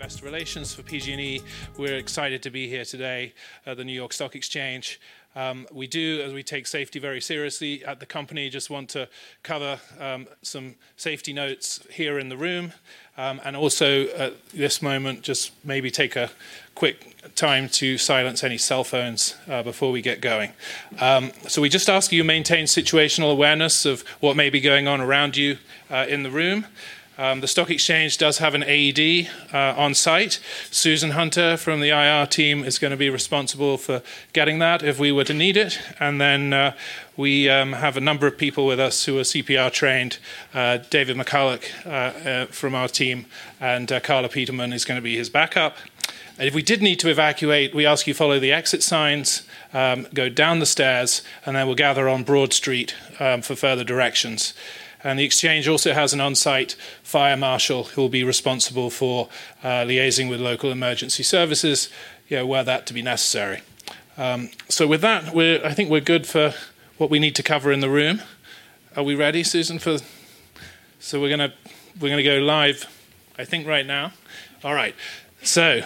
Investor Relations for PG&E. We're excited to be here today at the New York Stock Exchange. We do, as we take safety very seriously at the company, just want to cover some safety notes here in the room and also at this moment just maybe take a quick time to silence any cell phones before we get going. So we just ask you maintain situational awareness of what may be going on around you in the room. The stock exchange does have an AED on site. Susan Hunter from the IR team is going to be responsible for getting that if we were to need it. And then we have a number of people with us who are CPR trained. David McCulloch from our team and Carla Peterman is going to be his backup if we did need to evacuate. We ask you follow the exit signs, go down the stairs and then we'll gather on Broad Street for further directions. And the exchange also has an on-site fire marshal who will be responsible for liaising with local emergency services were that to be necessary. So with that, I think we're good for what we need to cover in the room. Are we ready, Susan, for. So we're going to go live, I think right now. All right, so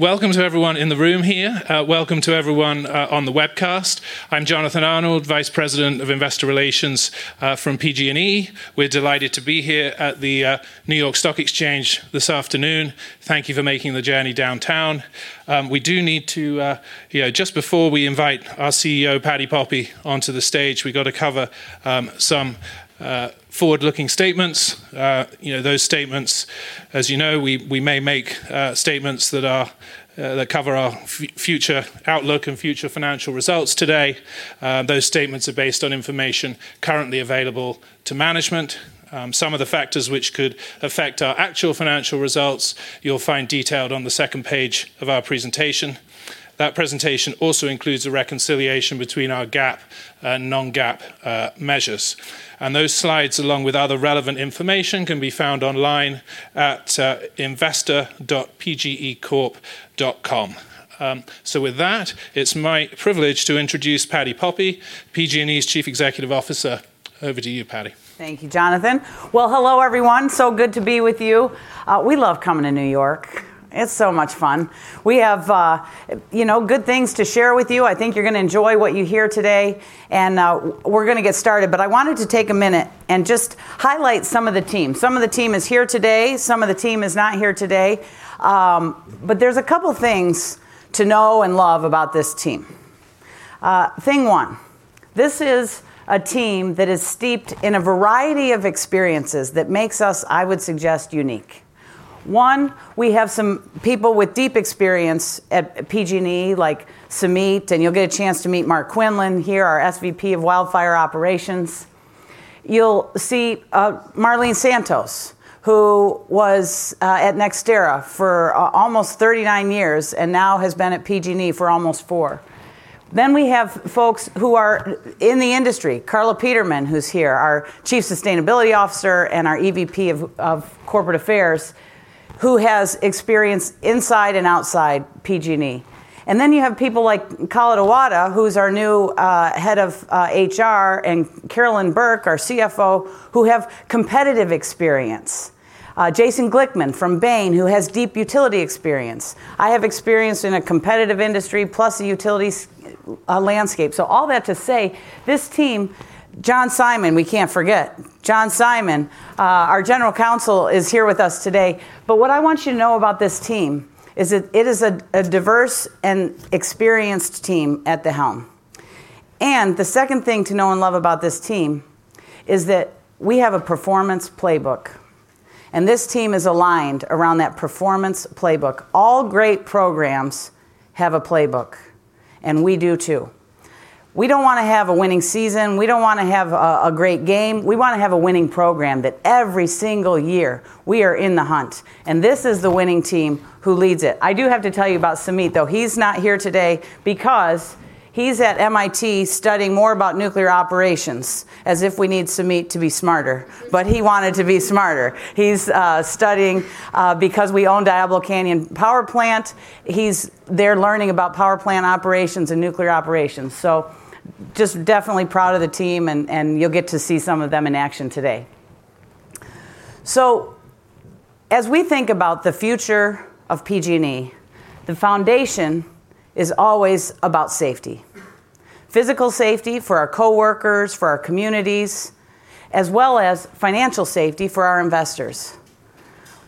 welcome to everyone in the room here. Welcome to everyone on the webcast. I'm Jonathan Arnold, Vice President of Investor Relations from PG&E. We're delighted to be here at the New York Stock Exchange this afternoon. Thank you for making the journey downtown. We do need to. Just before we invite our CEO Patti Poppe onto the stage, we got to cover some forward-looking statements. Those statements, as you know, we may make statements that cover our future outlook and future financial results today. Those statements are based on information currently available to management. Some of the factors which could affect our actual financial results you'll find detailed on the second page of our presentation. That presentation also includes a reconciliation between our GAAP and non-GAAP measures. Those slides along with other relevant information can be found online at investor.PG&ECorp.com. So with that, it's my privilege to introduce Patti Poppe, PG&E's Chief Executive Officer. Over to you, Patti. Thank you, Jonathan. Well, hello everyone. So good to be with you. We love coming to New York. It's so much fun. We have, you know, good things to share with you. I think you're going to enjoy what you hear today and we're going to get started. But I wanted to take a minute and just highlight some of the team. Some of the team is here today, some of the team is not here today. But there's a couple things to know and love about this team thing. One, this is a team that is steeped in a variety of experiences that makes us, I would suggest, unique. One, we have some people with deep experience at PG&E like Sumeet. And you'll get a chance to meet Mark Quinlan here, our SVP of Wildfire Operations. You'll see Marlene Santos, who was at NextEra for almost 39 years and now has been at PG&E for almost 4 years. Then we have folks who are in the industry. Carla Peterman, who's here, our Chief Sustainability Officer and our EVP of Corporate Affairs who has experience inside and outside PG&E. And then you have people like Julius Cox, who's our new head of HR, and Carolyn Burke, our CFO, who have competitive experience. Jason Glickman from Bain, who has deep utility experience. I have experience in a competitive industry plus a utility landscape. So all that to say this team, John Simon, we can't forget. John Simon, our General Counsel is here with us today. But what I want you to know about this team is that it is a diverse and experienced team at the helm. The second thing to know and love about this team is that we have a Performance Playbook. And this team is aligned around that Performance Playbook. All great programs have a playbook and we do, too. We don't want to have a winning season. We don't want to have a great game. We want to have a winning program that every single year we are in the hunt. And this is the winning team who leads it. I do have to tell you about Sumeet, though. He's not here today because he's at MIT studying more about nuclear operations. As if we need Sumeet to be smarter. But he wanted to be smarter. He's studying because we own Diablo Canyon Power Plant. He's there learning about power plant operations and nuclear operations. So just definitely proud of the team and you'll get to see some of them in action today. So as we think about the future of PG&E, the foundation is always about safety. Physical safety for our coworkers, for our communities, as well as financial safety for our investors.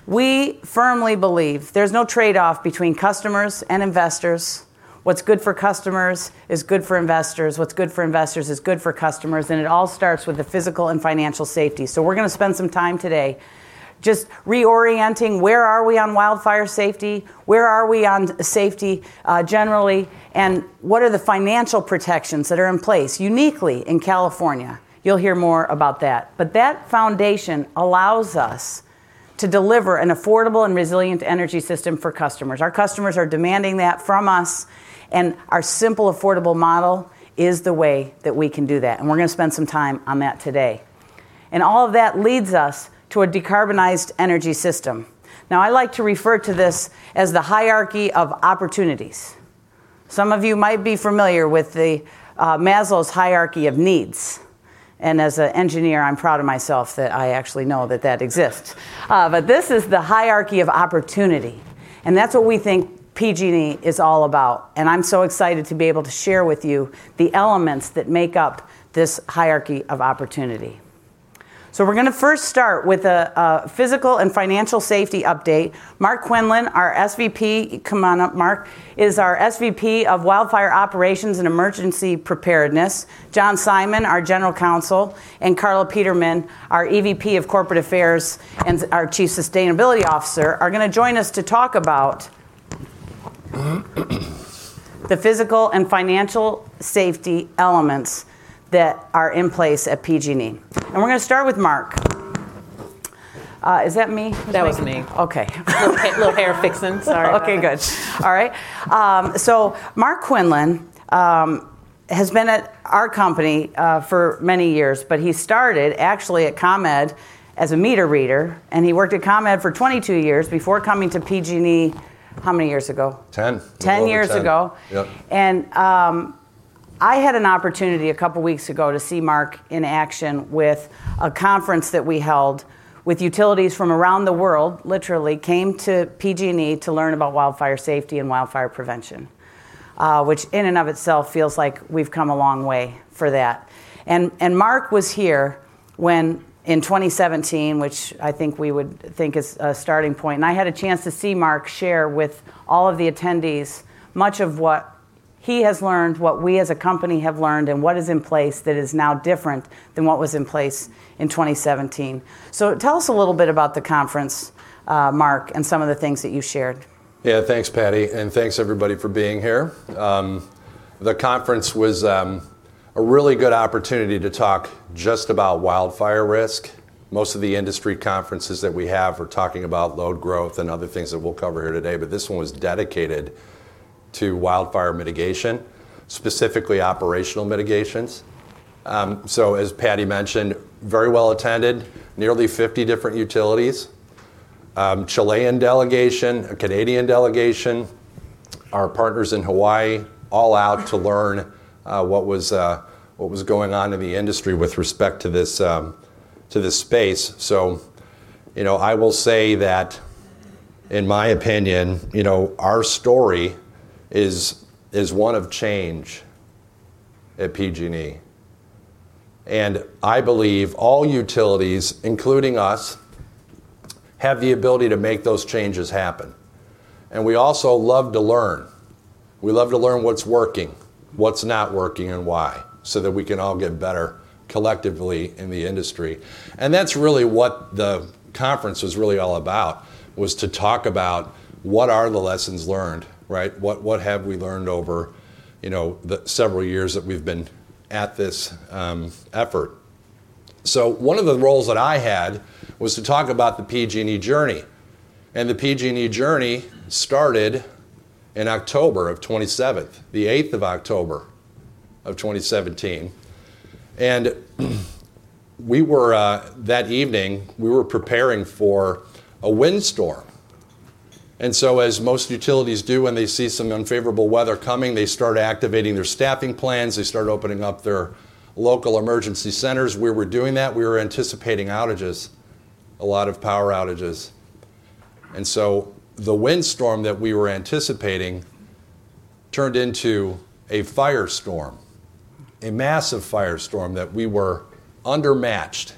We firmly believe there's no trade off between customers and investors. What's good for customers is good for investors. What's good for investors is good for customers. And it all starts with the physical and financial safety. So we're going to spend some time today just reorienting where we are on Wildfire Safety. Where. Where are we on safety generally? And what are the financial protections that are in place uniquely in California? You'll hear more about that. But that foundation allows us to deliver an affordable and resilient energy system for customers. Our customers are demanding that from us. And our simple, affordable model is the way that we can do that. And we're going to spend some time on that today. And all of that leads us to a decarbonized energy system. Now, I like to refer to this as the hierarchy of opportunities. Some of you might be familiar with the Maslow's hierarchy of needs. And as an engineer, I'm proud of myself that I actually know that that exists. But this is the hierarchy of opportunity. And that's what we think PG&E is all about. And I'm so excited to be able to share with you the elements that make up this hierarchy of opportunity. So we're going to first start with a physical and financial safety update. Mark Quinlan, our SVP, come on up. Mark is our SVP of Wildfire Operations and Emergency Preparedness. John Simon, our General Counsel, and Carla Peterman, our EVP of Corporate Affairs and our Chief Sustainability Officer are going to join us to talk about the physical and financial safety elements that are in place at PG&E. And we're going to start with Mark. Is that me? That was me. Okay. Little hair fixing. Sorry. Okay, good. All right. So Mark Quinlan has been at our company for many years, but he started actually at ComEd as a meter reader. And he worked at ComEd for 22 years before coming to PG&E. How many years ago? 10. 10 years ago. I had an opportunity a couple weeks ago to see Mark in action with a conference that we held with utilities from around the world. They literally came to PG&E to learn about wildfire safety and wildfire prevention, which in and of itself feels like we've come a long way for that. Mark was here when? In 2017, which I think we would think is a starting point. I had a chance to see Mark share with all of the attendees much of what he has learned, what we as a company have learned, and what is in place that is now different than what was in place in 2017. Tell us a little bit about the conference, Mark, and some of the things that you shared. Yeah. Thanks, Patti. And thanks, everybody for being here. The conference was a really good opportunity to talk just about wildfire risk. Most of the industry conferences that we have are talking about load growth and other things that we'll cover here today, but this one was dedicated to wildfire mitigation, specifically operational mitigations. So, as Patti mentioned, very well attended nearly 50 different utilities, Chilean delegation, Canadian delegation, our partners in Hawaii, all out to learn what was going on in the industry with respect to this space. So I will say that in my opinion, our story is one of change at PG&E. And I believe all utilities, including us, have the ability to make those changes happen. And we also love to learn. We love to learn what's working, what's not working and why, so that we can all get better collectively in the industry. That's really what the conference was really all about, was to talk about what are the lessons learned, right? What have we learned over, you know, the several years that we've been at this effort? So one of the roles that I had was to talk about the PG&E Journey. And the PG&E Journey started in October 8th, 2017. And we were that evening we were preparing for a windstorm. And so, as most utilities do, when they see some unfavorable weather coming, they start activating their staffing plans. They start opening up their local emergency centers. We were doing that. We were anticipating outages, a lot of power outages. And so the windstorm that we were anticipating turned into a firestorm, a massive firestorm that we were outmatched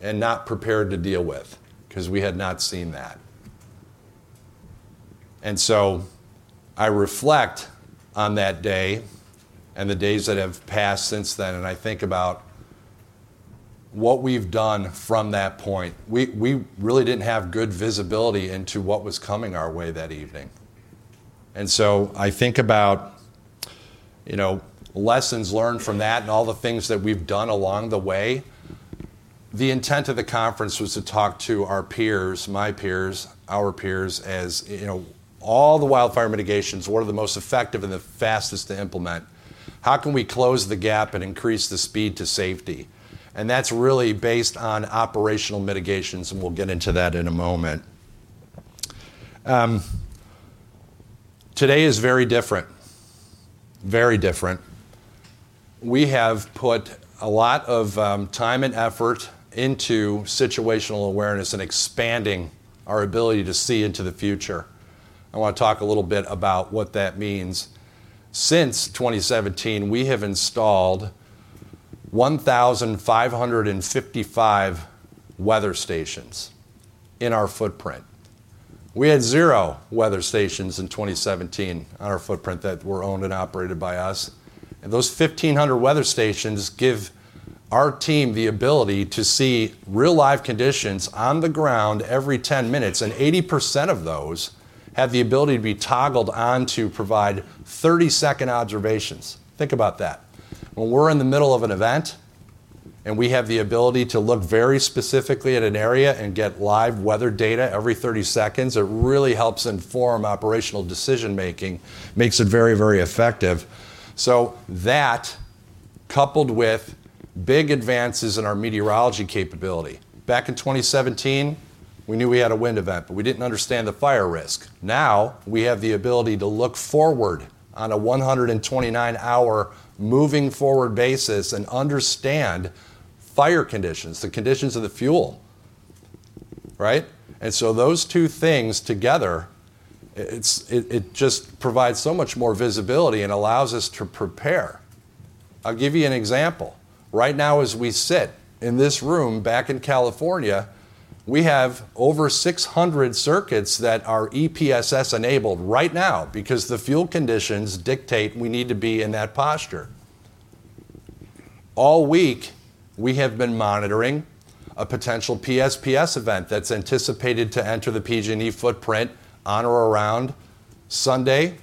and not prepared to deal with because we had not seen that. So I reflect on that day and the days that have passed since then, and I think about what we've done from that point. We really didn't have good visibility into what was coming our way that evening. I think about, you know, lessons learned from that and all the things that we've done along the way. The intent of the conference was to talk to our peers, my peers, our peers, as you know, all the wildfire mitigations. What are the most effective and the fastest to implement? How can we close the gap and increase the speed to safety? That's really based on operational mitigations. We'll get into that in a moment. Today is very different. Very different. We have put a lot of time and effort into situational awareness and expanding our ability to see into the future. I want to talk a little bit about what that means. Since 2017, we have installed 1,555 weather stations in our footprint. We had zero weather stations in 2017 on our footprint that were owned and operated by us. Those 1,500 weather stations give our team the ability to see real live conditions on the ground every 10 minutes. And 80% of those have the ability to be toggled on to provide 30-second observations. Think about that. When we're in the middle of an event and we have the ability to look very specifically at an area and get live weather data every 30 seconds, it really helps inform operational decision making, makes it very, very effective. That coupled with big advances in our meteorology capability. Back in 2017, we knew we had a wind event, but we didn't understand the fire risk. Now we have the ability to look forward on a 129-hour moving forward basis and understand fire conditions, the conditions of the fuel. Right. Those two things together, it just provides so much more visibility and allows us to prepare. I'll give you an example right now as we sit in this room back in California. We have over 600 circuits that are EPSS enabled right now because the fuel conditions dictate we need to be in that pocket posture all week. We have been monitoring a potential PSPS event that's anticipated to enter the PG&E footprint on or around Sunday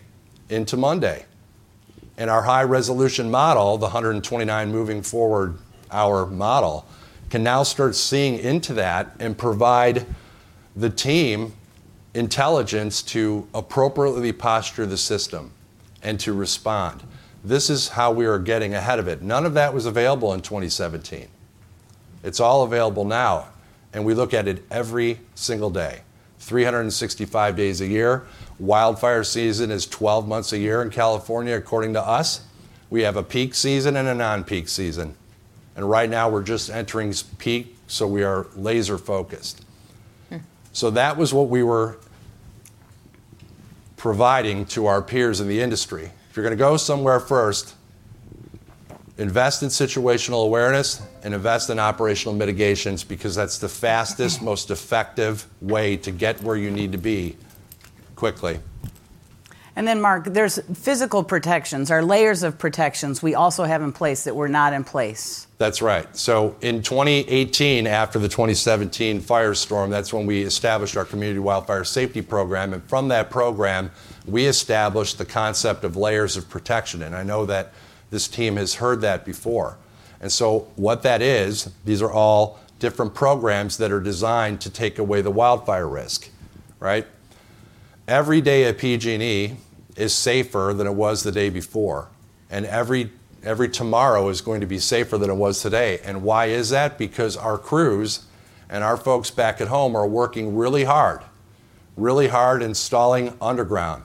into Monday. Our high resolution model, the 129 moving forward, our model can now start seeing into that and provide the team intelligence to appropriately posture the system to respond. This is how we are getting ahead of it. None of that was available in 2017. It's all available now. We look at it every single day, 365 days a year. Wildfire season is 12 months a year in California. According to us. We have a peak season and a non-peak season and right now we're just entering peak. So we are laser focused. So that was what we were providing to our peers in the industry. If you're going to go somewhere, first invest in situational awareness and invest in operational mitigations because that's the fastest, most effective way to get where you need to be quickly. And then, Mark, there's physical protections, our layers of protections we also have in place that were not in place. That's right. So in 2018, after the 2017 firestorm, that's when we established our Community Wildfire Safety Program. And from that program we established the concept of layers of protection. And I know that this team has heard that before. And so what that is, these are all different programs that are designed to take away the wildfire risk. Right. Every day at PG&E is safer than it was the day before, and every tomorrow is going to be safer than it was today. And why is that? Because our crews and our folks back at home are working really hard, really hard. Installing underground,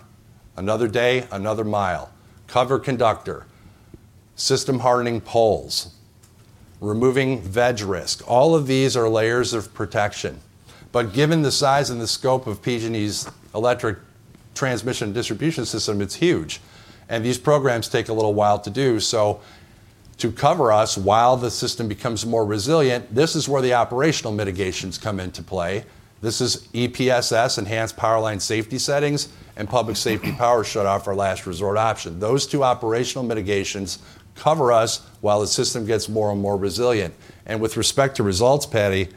another day, another mile, covered conductor system, hardening poles, removing veg risk, all of these are layers of protection. But given the size and the scope of PG&E's electric transmission and distribution system, it's huge. And these programs take a little while to do, so to cover us while the system becomes more resilient. This is where the operational mitigations come into play. This is EPSS, Enhanced Powerline Safety Settings, and Public Safety Power Shutoff, our last resort option. Those two operational mitigations cover us while the system gets more and more resilient. With respect to results, Patti,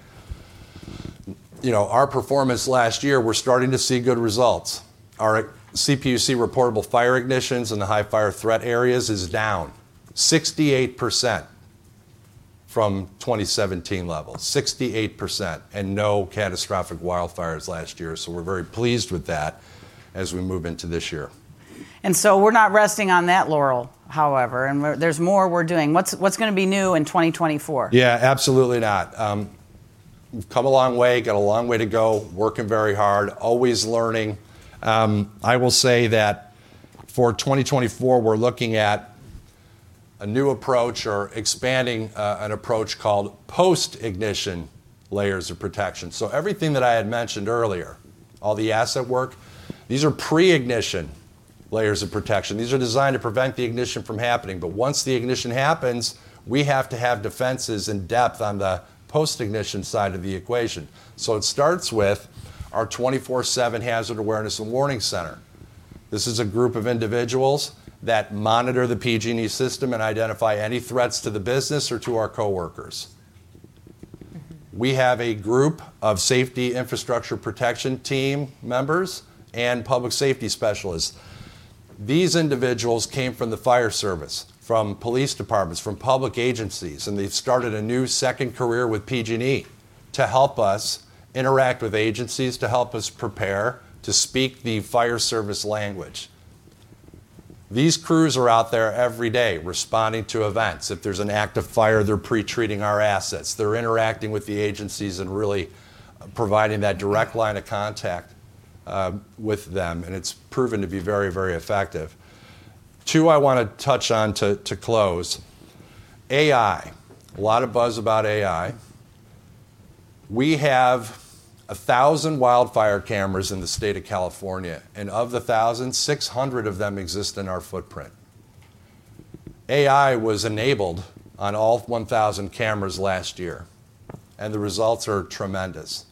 you know our performance last year, we're starting to see good results. Our CPUC reportable fire ignitions in the high fire threat areas is down 68% from 2017 levels. 68% and no catastrophic wildfires last year. So we're very pleased with that as we move into this year. And so we're not resting on that laurels, however. And there's more. We're doing what's going to be new in 2024. Yeah, absolutely not. We've come a long way. Got a long way to go. Working very hard, always learning. I will say that for 2024 we're looking at a new approach or expanding an approach called post-ignition layers of protection. So everything that I had mentioned earlier, all the asset work, these are pre-ignition layers of protection. These are designed to prevent the ignition from happening. But once the ignition happens, we have to have defenses in depth on the post-ignition side of the equation. So it starts with our 24/7 Hazard Awareness and Warning Center. This is a group of individuals that monitor the PG&E system and identify any threats to the business or to our coworkers. We have a group of Safety and Infrastructure Protection Team members and Public Safety Specialists. These individuals came from the fire service, from police departments, from public agencies, and they started a new second career with PG&E to help us interact with agencies, to help us prepare to speak the fire service language. These crews are out there every day responding to events. If there's an act of fire, they're pretreating our assets. They're interacting with the agencies and really providing that direct line of contact with them. And it's proven to be very, very effective. Too, I want to touch on to close AI. A lot of buzz about AI. We have 1,000 wildfire cameras in the state of California, and of the 1,600 of them exist in our footprint. AI was enabled on all 1,000 cameras last year, and the results are tremendous.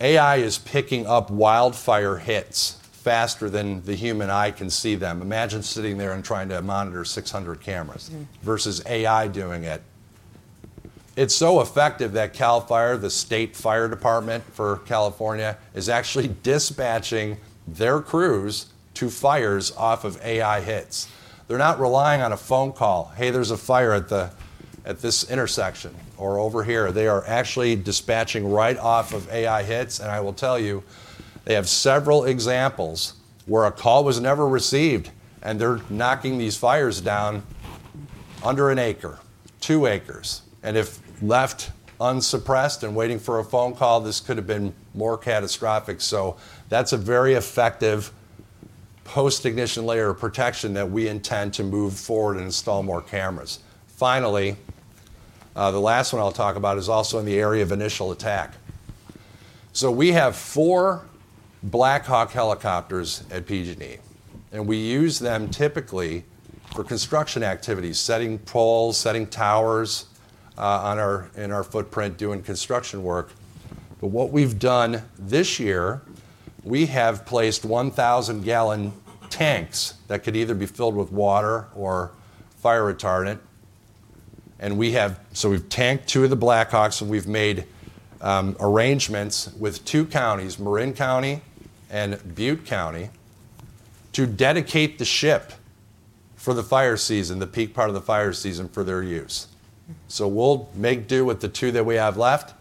AI is picking up wildfire hits faster than the human eye can see them. Imagine sitting there and trying to monitor 600 cameras versus AI. Doing it it's so effective that Cal Fire, the state fire department for California, is actually dispatching their crews to fires off of AI hits. They're not relying on a phone call, hey, there's a fire at this intersection or over here. They are actually dispatching right off of AI hits. And I will tell you, they have several examples where a call was never received. And they're knocking these fires down under an acre, two acres. And if left unsuppressed and waiting for a phone call, this could have been more catastrophic. So that's a very effective post ignition layer of protection that we intend to move forward and install more cameras. Finally, the last one I'll talk about is also in the area of initial attack. So we have four Black Hawk helicopters at PG&E. We use them typically for construction activities, setting poles, setting towers in our footprint, doing construction work. But what we've done this year, we have placed 1,000-gallon tanks that could either be filled with water or fire retardant. And we have. So we've tanked two of the Black Hawks and we've made arrangements with two counties, Marin County and Butte County, to dedicate the ship for the fire season, the peak part of the fire season, for their use. So we'll make do with the two that we have left.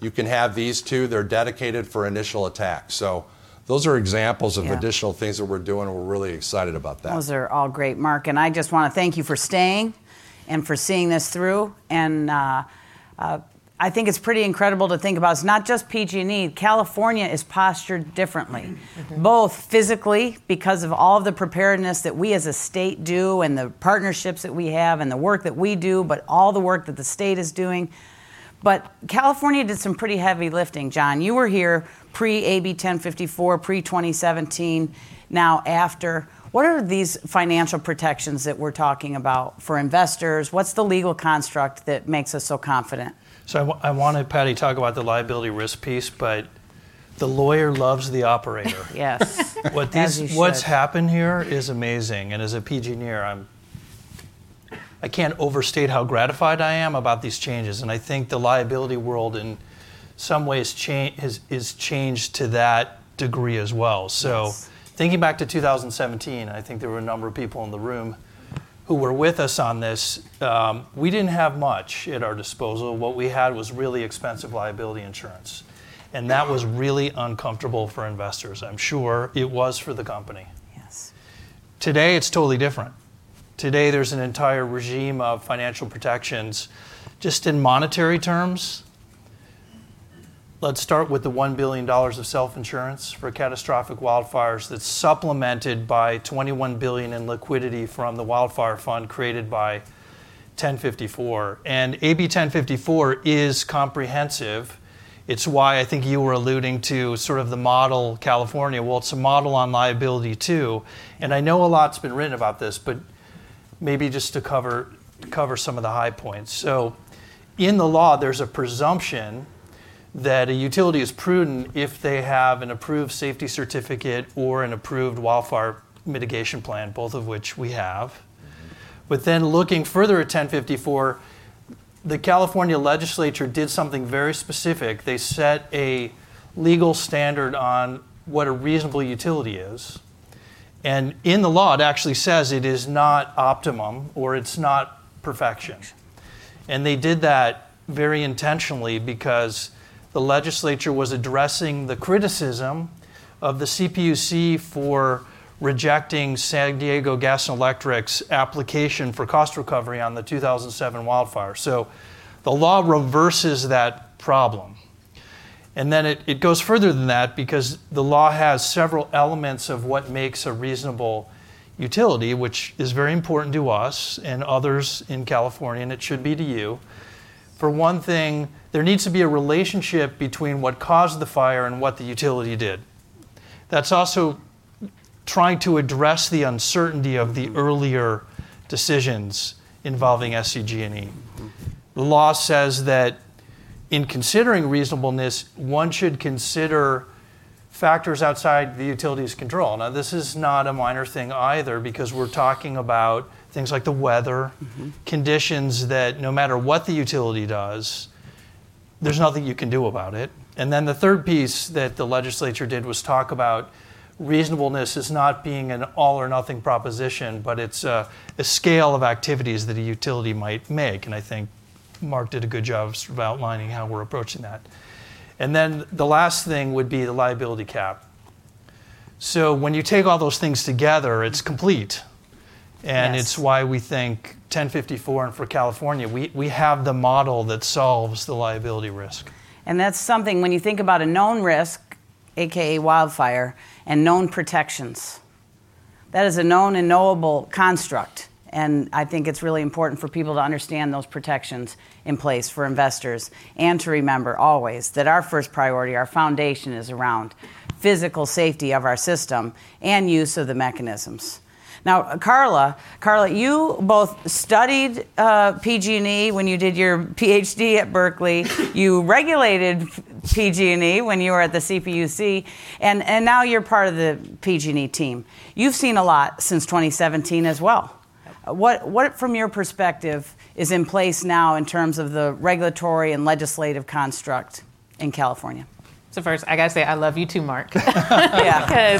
You can have these two. They're dedicated for initial attack. So those are examples of additional things that we're doing. And we're really excited about that. Those are all great, Mark, and I just want to thank you for staying and for seeing this through. I think it's pretty incredible to think about. It's not just PG&E. California is postured differently, both physically because of all the preparedness that we as a state do and the partnerships that we have and the work that we do. But all the work that the state is doing. But California did some pretty heavy lifting. John, you were here pre-AB 1054, pre-2017. Now, after. What are these financial protections that we're talking about for investors? What's the legal construct that makes us so confident? I wanted Patti talk about the liability risk piece, but the lawyer loves the operator. Yes. What's happened here is amazing. As a PG&E, I can't overstate how gratified I am about these changes. I think the liability world in some ways is changed to that degree as well. Thinking back to 2017, I think there were a number of people in the room who were with us on this. We didn't have much at our disposal. What we had was really expensive liability insurance. That was really uncomfortable for investors. I'm sure it was for the company. Today it's totally different. Today there's an entire regime of financial protections just in monetary terms. Let's start with the $1 billion of self insurance for catastrophic wildfires. That's supplemented by $21 billion in liquidity from the wildfire fund created by AB 1054, and AB 1054 is comprehensive. It's why I think you were alluding to sort of the model California. Well, it's a model on liability too. And I know a lot has been written about this, but maybe just to cover some of the high points. So in the law, there's a presumption that a utility is prudent if they have an approved safety certificate or an approved Wildfire Mitigation Plan, both of which we have. But then looking further at AB 1054, the California legislature did something very specific. They set a legal standard on what a reasonable utility is. And in the law it actually says it is not optimum or it's not perfection. And they did that very intentionally because the legislature was addressing the criticism of the CPUC for rejecting San Diego Gas & Electric's application for cost recovery on the 2007 wildfire. So the law reverses that problem. And then it goes further than that because the law has several elements of what makes a reasonable utility, which is very important to us and others in California, and it should be to you. For one thing, there needs to be a relationship between what caused the fire and what the utility did. That's also trying to address the uncertainty of the earlier decisions involving SDG&E. The law says that in considering reasonableness, one should consider factors outside the utility's control. Now, this is not a minor thing either because we're talking about things like the weather conditions that no matter what the utility does, there's nothing you can do about it. And then the third piece that the legislature did was talk about reasonableness as not being an all or nothing proposition. But it's a scale of activities that a utility might make. I think Mark did a good job outlining how we're approaching that. Then the last thing would be the liability cap. When you take all those things together, it's complete. It's why we think AB 1054, and for California, we have the model that solves the liability risk. And that's something when you think about a known risk, AKA wildfire and known protections, that is a known and knowable construct. I think it's really important for people to understand those protections in place for investors and to remember always that our first priority, our foundation, is around physical safety of our system and use of the mechanisms. Now, Carla, you both studied PG&E when you did your PhD at Berkeley. You regulated PG&E when you were at the CPUC. And now you're part of the PG&E team. You've seen a lot since 2017 as well. What from your perspective is in place now in terms of the regulatory and legislative construct in California. So first I got to say I love you too, Mark, because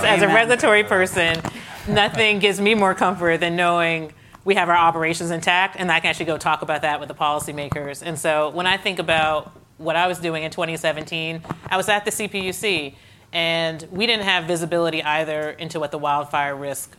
as a regulatory person, nothing gives me more comfort than knowing we have our operations intact. And I can actually go talk about that with the policymakers. And so when I think about what I was doing in 2017, I was at the CPUC and we didn't have visibility either into what the wildfire risk.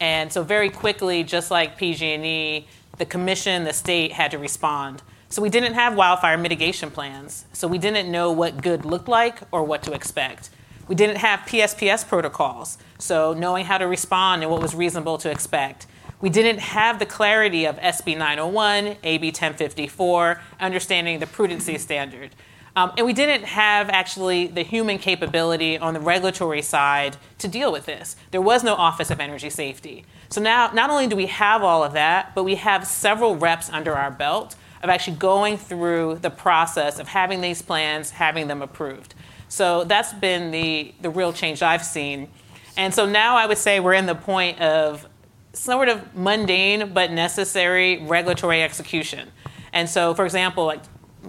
And so very quickly, just like PG&E, the commission, the state had to respond. So we didn't have Wildfire Mitigation Plans. So we didn't know what good looked like or what to expect. We didn't have PSPS protocols. So knowing how to respond and what was reasonable to expect, we didn't have the clarity of SB 901, AB 1054, understanding the prudence standard. And we didn't have actually the human capability on the regulatory side to deal with this. There was no Office of Energy Safety. So now not only do we have all of that, but we have several reps under our belt of actually going through the process of having these plans, having them approved. So that's been the real change I've seen. And so now I would say we're in the point of somewhat of mundane but necessary regulatory execution. And so, for example,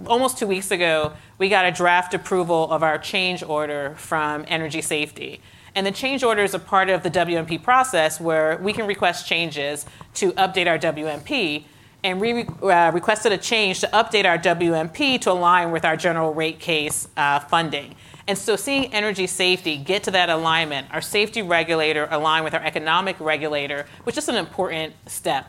almost two weeks ago, we got a draft approval of our change order from Energy Safety. And the change order is a part of the WMP process where we can request changes to update our WMP. And we requested a change to update our WMP to align with our General Rate Case funding. And so seeing Energy Safety get to that alignment, our safety regulator aligned with our economic regulator, which is an important step.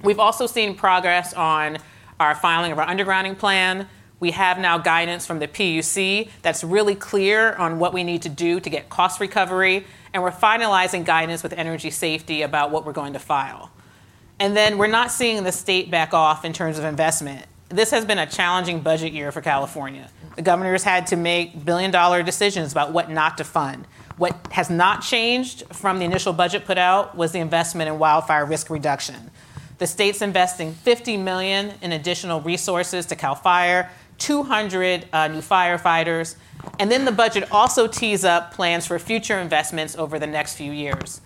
We've also seen progress on our filing of our undergrounding plan. We have now guidance from the CPUC that's really clear on what we need to do to get cost recovery. And we're finalizing guidance with Energy Safety about what we're going to file. And then we're not seeing the state back off in terms of investment. This has been a challenging budget year for California. The governor has had to make $1 billion-dollar decisions about what not to fund. What has not changed from the initial budget put out was the investment in wildfire risk reduction. The state's investing $50 million in additional resources to CAL FIRE, 200 new firefighters. And then the budget also tees up plans for future investments over the next few years.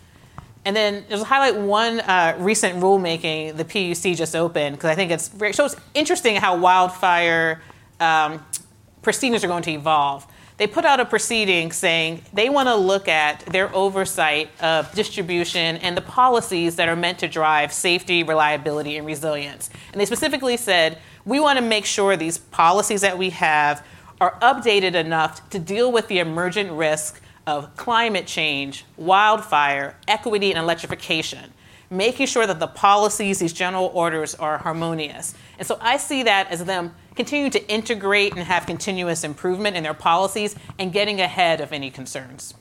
And then highlight one recent rulemaking the CPUC just opened because I think it's so interesting how wildfire proceedings are going to evolve. They put out a proceeding saying they want to look at their oversight of distribution and the policies that are meant to drive safety, reliability and resilience. They specifically said, we want to make sure these policies that we have are updated enough to deal with the emergent risk of climate change, wildfire equity and electrification, making sure that the policies, these general orders are harmonious. So I see that as them continue to integrate and have continuous improvement in their policies and getting ahead of any concerns.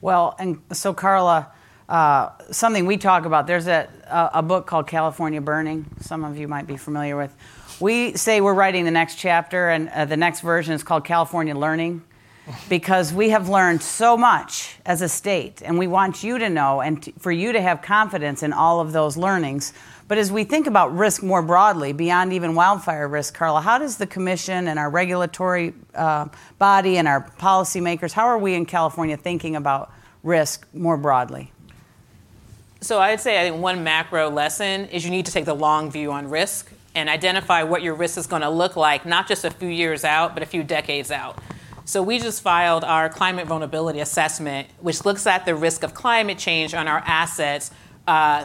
Well, and so, Carla, something we talk about, there's a book called California Burning some of you might be familiar with. We say we're writing the next chapter and the next version is called California Learning because we have learned so much as a state and we want you to know and for you to have confidence in all of those learnings. But as we think about risk more broadly, beyond even wildfire risk, Carla, how does the commission and our regulatory body and our policymakers, how are we in California thinking about risk more broadly? So I'd say one macro lesson is you need to take the long view on risk and identify what your risk is going to look like, not just a few years out, but a few decades out. So we just filed our Climate Vulnerability Assessment, which looks at the risk of climate change on our assets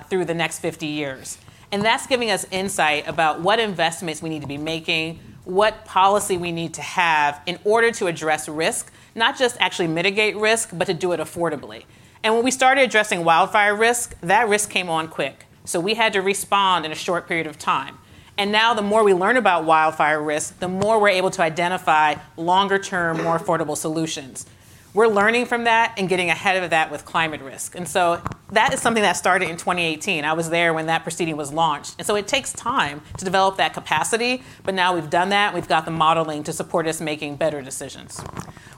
through the next 50 years. And that's giving us insight about what investments we need to be making, what policy we need to have in order to address risk, not just actually mitigate risk, but to do it affordably. And when we started addressing wildfire risk, that risk came on quick. So we had to respond in a short period of time. And now the more we learn about wildfire risk, the more we're able to identify longer term, more affordable solutions. We're learning from that and getting ahead of that with climate risk. And so that is something that started in 2018. I was there when that proceeding was launched. And so it takes time to develop that capacity. But now we've done that. We've got the modeling to support us making better decisions.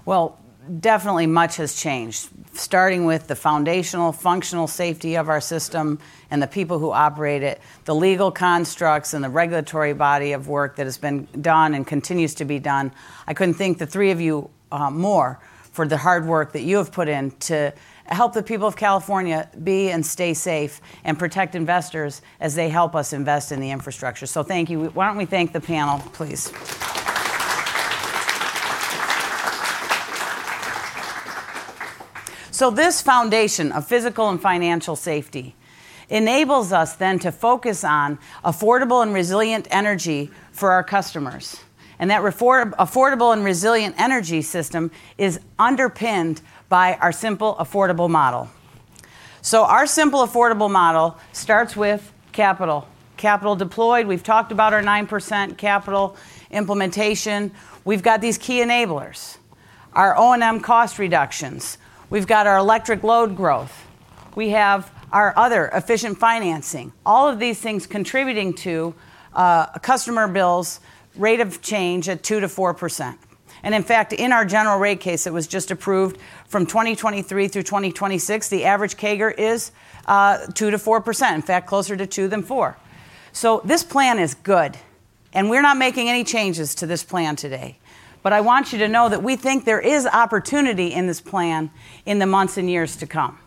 Well, definitely much has changed, starting with the foundational functional safety of our system and the people who operate it, the legal constructs and the regulatory body of work that has been done and continues to be done. I couldn't thank the three of you more for the hard work that you have put in to help the people of California be and stay safe and protect investors as they help us invest in the infrastructure. Thank you. Why don't we thank the panel, please. This foundation of physical and financial safety enables us then to focus on affordable and resilient energy for our customers. That affordable and resilient energy system is underpinned by our Simple, Affordable Model. Our Simple, Affordable Model starts with capital deployed. We've talked about our 9% capital implementation. We've got these key enablers, our O&M cost reductions, we've got our electric load growth, we have our other efficient financing. All of these things contributing to customer bills. Rate of change at 2%-4%. And in fact, in our General Rate Case, it was just approved for from 2023 through 2026. The average CAGR is 2%-4%. In fact closer to 2 than 4. So this plan is good and we're not making any changes to this plan today. But I want you to know that we think there is opportunity in this plan in the months and years to come.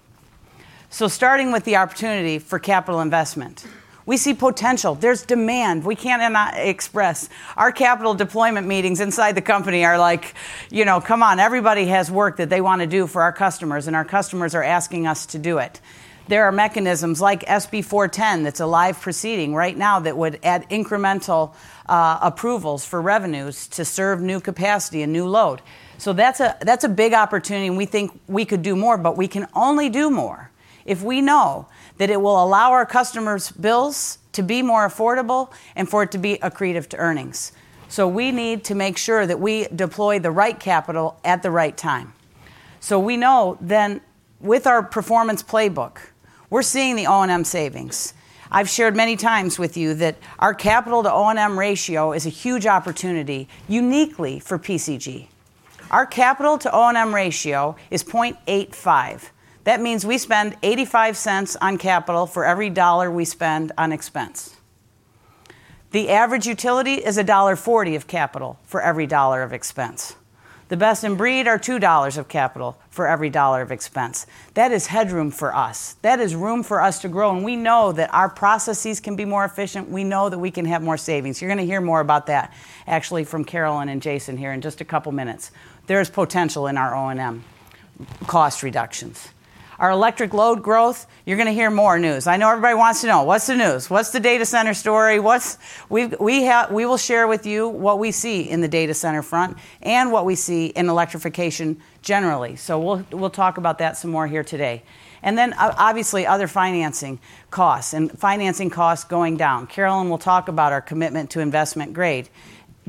So starting with the opportunity for capital investment, we see potential. There's demand we can't express. Our capital deployment meetings inside the company are like, you know, come on, everybody has work that they want to do for our customers and our customers are asking us to do it. There are mechanisms like SB 410, that's a live proceeding right now that would add incremental approvals for revenues to serve new capacity and new load. So that's a big opportunity and we think we could do more. But we can only do more if we know that it will allow our customers' bills to be more affordable and for it to be accretive to earnings. So we need to make sure that we deploy the right capital at the right time. So we know then with our Performance Playbook, we're seeing the O&M savings. I've shared many times with you that our capital to O&M ratio is a huge opportunity. Uniquely for PG&E, our capital to O&M ratio is 0.85. That means we spend $0.85 on capital for every $1 we spend on expense. The average utility is $1.40 of capital for every $1 of expense. The best in breed are $2.00 of capital for every $1 of expense. That is headroom for us that is room for us to grow. We know that our processes can be more efficient. We know that we can have more savings. You're going to hear more about that actually from Carolyn and Jason here in just a couple minutes. There is potential in our O&M cost reductions, our electric load growth. You're going to hear more news. I know everybody wants to know what's the news, what's the data center story. What we will share with you what we see in the data center front and what we see in electrification generally. So we'll talk about that some more here today. And then obviously other financing costs and financing costs going down. Carolyn will talk about our commitment to investment grade.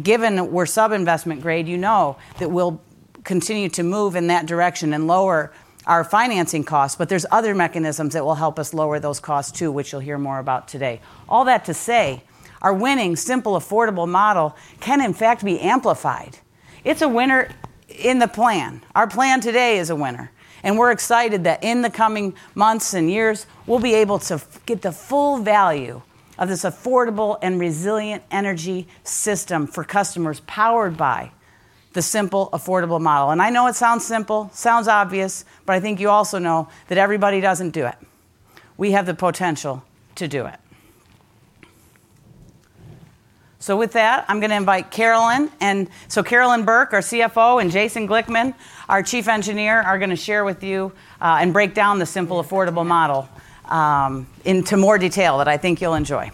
Given we're sub-investment grade, you know that we'll continue to move in that direction and lower our financing costs. But there's other mechanisms that will help us lower those costs too, which you'll hear more about today. All that to say our winning Simple, Affordable Model can in fact be amplified. It's a winner in the plan. Our plan today is a winner. We're excited that in the coming months and years we'll be able to get the full value of this affordable and resilient energy system for customers powered by the simple, affordable model. I know it sounds simple, sounds obvious, but I think you also know that everybody doesn't do it. We have the potential to do it. With that, I'm going to invite Carolyn. So Carolyn Burke, our CFO, and Jason Glickman, our chief engineer, are going to share with you and break down the simple, affordable model into more detail that I think you'll enjoy.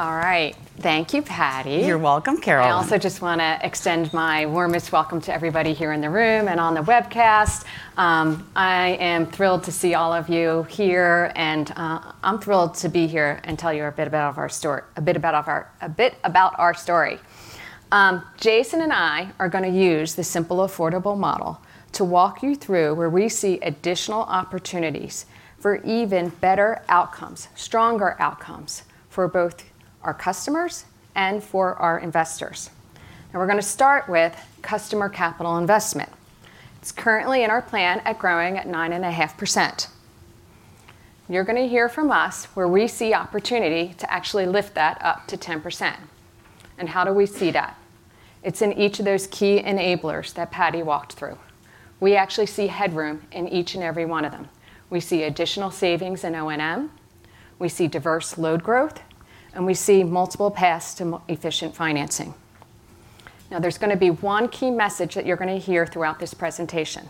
All right. Thank you, Patti. You're welcome, Carol. I also just want to extend my warmest welcome to everybody here in the room and on the webcast. I am thrilled to see all of you here and I'm thrilled to be here and tell you a bit about our story. Jason and I are going to use the simple, affordable model to walk you through where we see additional opportunities for even better outcomes, stronger outcomes for both our customers and for our investors. We're going to start with customer capital investment. It's currently in our plan at growing at 9.5%. You're going to hear from us where we see opportunity to actually lift that up to 10%. How do we see that? It's in each of those key enablers that Patti walked through. We actually see headroom in each and every one of them. We see additional savings in O&M. We see diverse load growth and we see multiple paths to efficient financing. Now there's going to be one key message that you're going to hear throughout this presentation.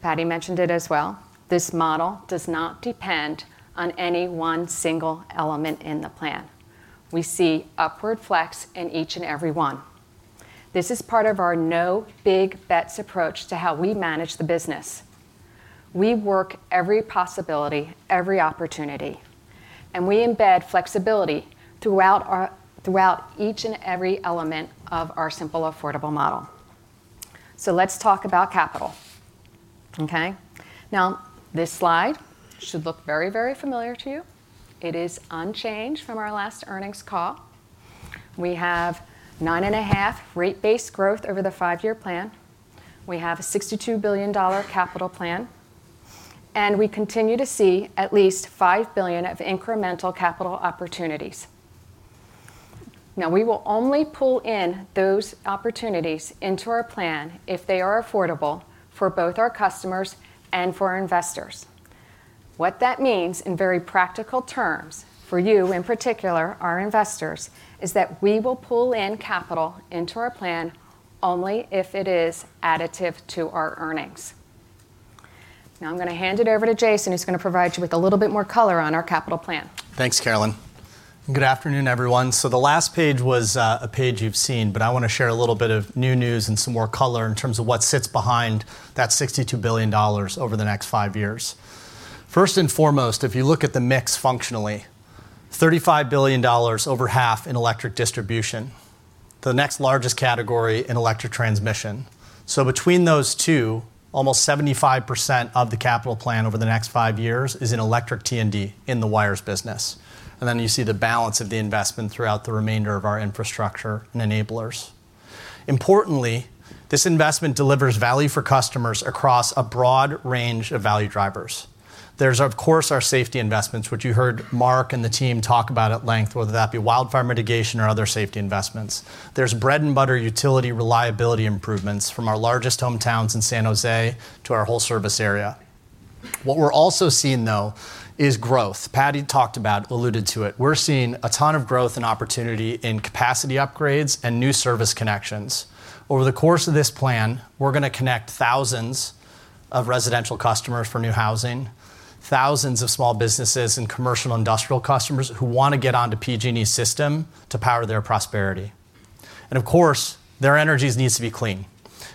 Patti mentioned it as well. This model does not depend on any one single element in the plan. We see upward flex in each and every one. This is part of our no big bets approach to how we manage the business. We work every possibility and every opportunity. And we embed flexibility throughout each and every element of our simple, affordable model. So let's talk about capital. Okay, now this slide should look very, very familiar to you. It is unchanged from our last earnings call. We have 9.5 rate base growth over the five-year plan. We have a $62 billion capital plan and we continue to see at least $5 billion of incremental capital opportunities. Now we will only pull in those opportunities into our plan if they are affordable for both our customers and for our investors. What that means in very practical terms for you in particular our investors is that we will pull in capital into our plan only if it is additive to our earnings. Now I'm going to hand it over to Jason who's going to provide you with a little bit more color on our capital plan. Thanks Carolyn. Good afternoon everyone. So the last page was a page you've seen, but I want to share a little bit of new news and some more color in terms of what sits behind that $62 billion over the next five years. First and foremost, if you look at the mix functionally, $35 billion over half in electric distribution, the next largest category in electric transmission. So between those two, almost 75% of the capital plan over the next five years is in electric T&D in the wires business. And then you see the balance of the investment throughout the remainder of our infrastructure and enablers. Importantly, this investment delivers value for customers across a broad range of value drivers. There's of course our safety investments which you heard Mark and the team talk about at length. Whether that be wildfire mitigation or other safety investments, there's bread and butter utility reliability improvements from our largest hometowns in San Jose to our whole service area. What we're also seeing though is growth Patti talked about, alluded to it. We're seeing a ton of growth and opportunity in capacity upgrades and new service connections over the course of this plan. We're going to connect thousands of residential customers for new housing, thousands of small businesses and commercial industrial customers who want to get onto PG&E system to power their prosperity and of course their energy needs to be clean.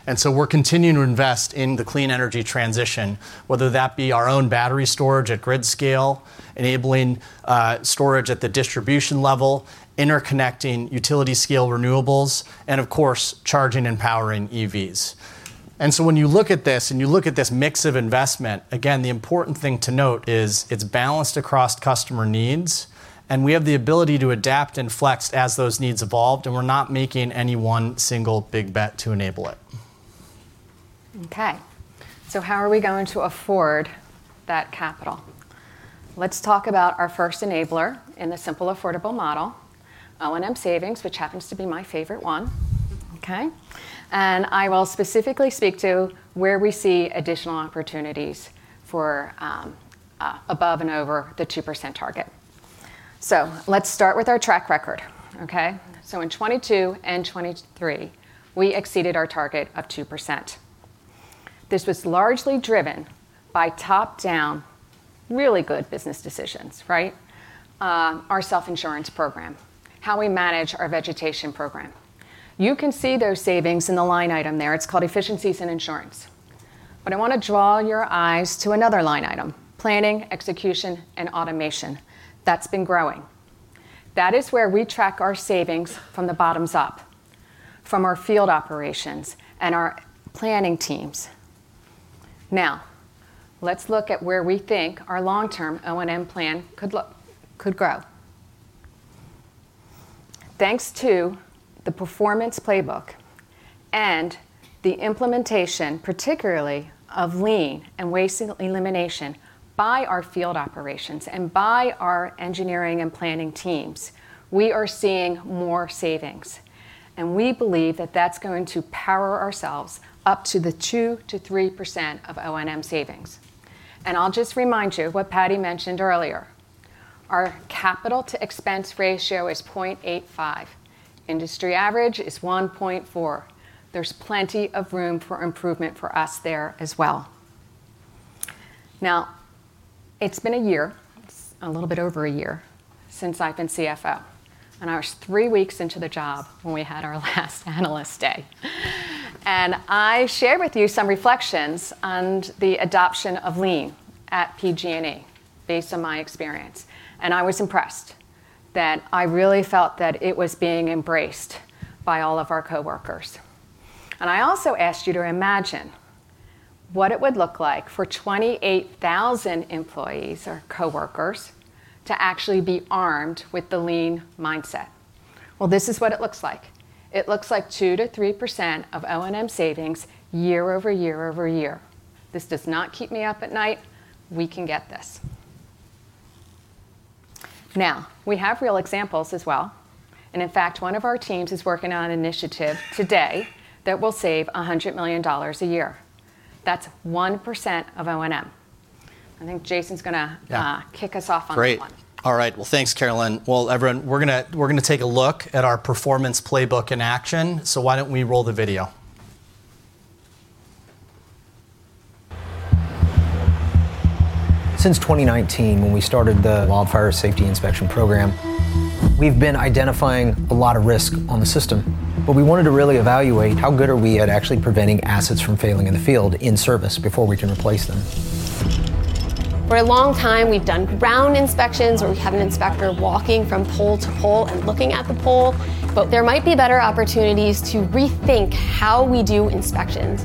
And so we're continuing to invest in the clean energy transition, whether that be our own battery storage at grid scale, enabling storage at the distribution level, interconnecting utility scale renewables, and of course charging and powering EVs. And so when you look at this and you look at this mix of investment again, the important thing to note is it's balanced across customer needs and we have the ability to adapt and flex as those needs evolved. We're not making any one single big bet to enable it. Okay, so how are we going to afford that capital? Let's talk about our first enabler in the Simple, Affordable Model O&M savings, which happens to be my favorite one. Okay. And I will specifically speak to where we see additional opportunities for above and over the 2% target. So let's start with our track record. Okay, so in 2022 and 2023 we exceeded our target of 2%. This was largely driven by top down really good business decisions. Right. Our self insurance program, how we manage our vegetation program, you can see those savings in the line item there. It's called efficiencies and insurance. But I want to draw your eyes to another line item, planning, execution and automation that's been growing. That is where we track our savings from the bottoms up, from our field operations and our planning teams. Now let's look at where we think our long term O&M plan could grow. Thanks to the Performance Playbook and the implementation particularly of Lean and waste elimination by our field operations and by our engineering and planning teams, we are seeing more savings and we believe that that's going to power ourselves up to the 2%-3% O&M savings. I'll just remind you of what Patti mentioned earlier. Our capital to expense ratio is 0.85. Industry average is 1.4. There's plenty of room for improvement for us there as well. Now it's been a year, a little bit over a year since I've been CFO. I was three weeks into the job when we had our last analyst day. I shared with you some reflections on the adoption of Lean at PG&E based on my experience. I was impressed that I really felt that it was being embraced by all of our coworkers. I also asked you to imagine what it would look like for 28,000 employees or coworkers to actually be armed with the Lean mindset. Well, this is what it looks like. It looks like 2%-3% of O&M savings year-over-year. This does not keep me up at night. We can get this. Now we have real examples as well. And in fact, one of our teams is working on an initiative today that will save $100 million a year. That's 1% of O&M. I think Jason's gonna kick us off on that one. Great. All right, well, thanks, Carolyn. Well, everyone, we're gonna take a look at our Performance Playbook in action. So why don't we roll the video? Since 2019, when we started the Wildfire Safety Inspection Program, we've been identifying a lot of risk on the system, but we wanted to really evaluate how good are we at actually preventing assets from failing in the field, in service before we can replace them. For a long time, we've done ground inspections where we have an inspector walking from pole to pole and looking at the pole. But there might be better opportunities to rethink how we do inspections.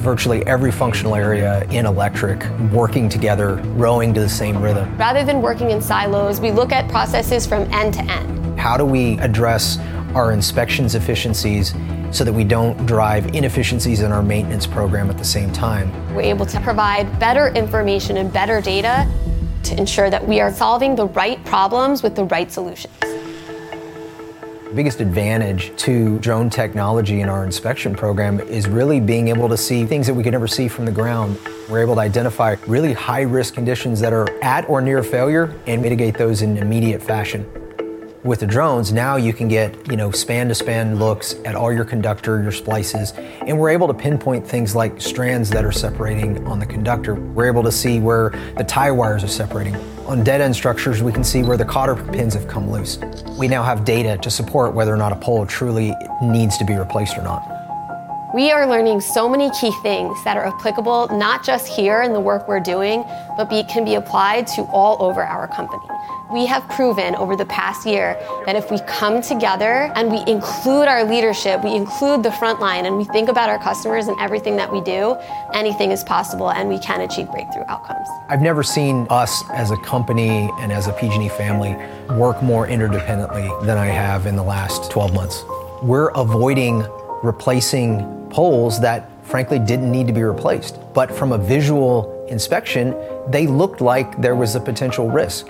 Virtually every functional area in electric working together, rowing to the same rhythm rather. Than working in silos. We look at processes from end to end. How do we address our inspections efficiencies so that we don't drive inefficiencies in our maintenance program? At the same time, we're able to. Provide better information and better data to ensure that we are solving the right problems with the right solutions. The biggest advantage to drone technology in our inspection program is really being able to see things that we could never see from the ground. We're able to identify really high risk conditions that are at or near failure and mitigate those in immediate fashion with the drones. Now you can get, you know, span to span, looks at all your conductor, your splices, and we're able to pinpoint things like strands that are separating on the conductor. We're able to see where the tie wires are separating on dead end structures. We can see where the cotter pins have come loose. We now have data to support whether or not a pole truly needs to be replaced or not. We are learning so many key things that are applicable not just here in the work we're doing, but can be applied to all over our company. We have proven over the past year that if we come together and we include our leadership, we include the front line, and we think about our customers and everything that we do, anything is possible, and we can achieve breakthrough outcomes. I've never seen us, as a company and as a PG&E family, work more interdependently than I have in the last 12 months. We're avoiding replacing poles that frankly didn't need to be replaced. But from a visual inspection, they looked like there was a potential risk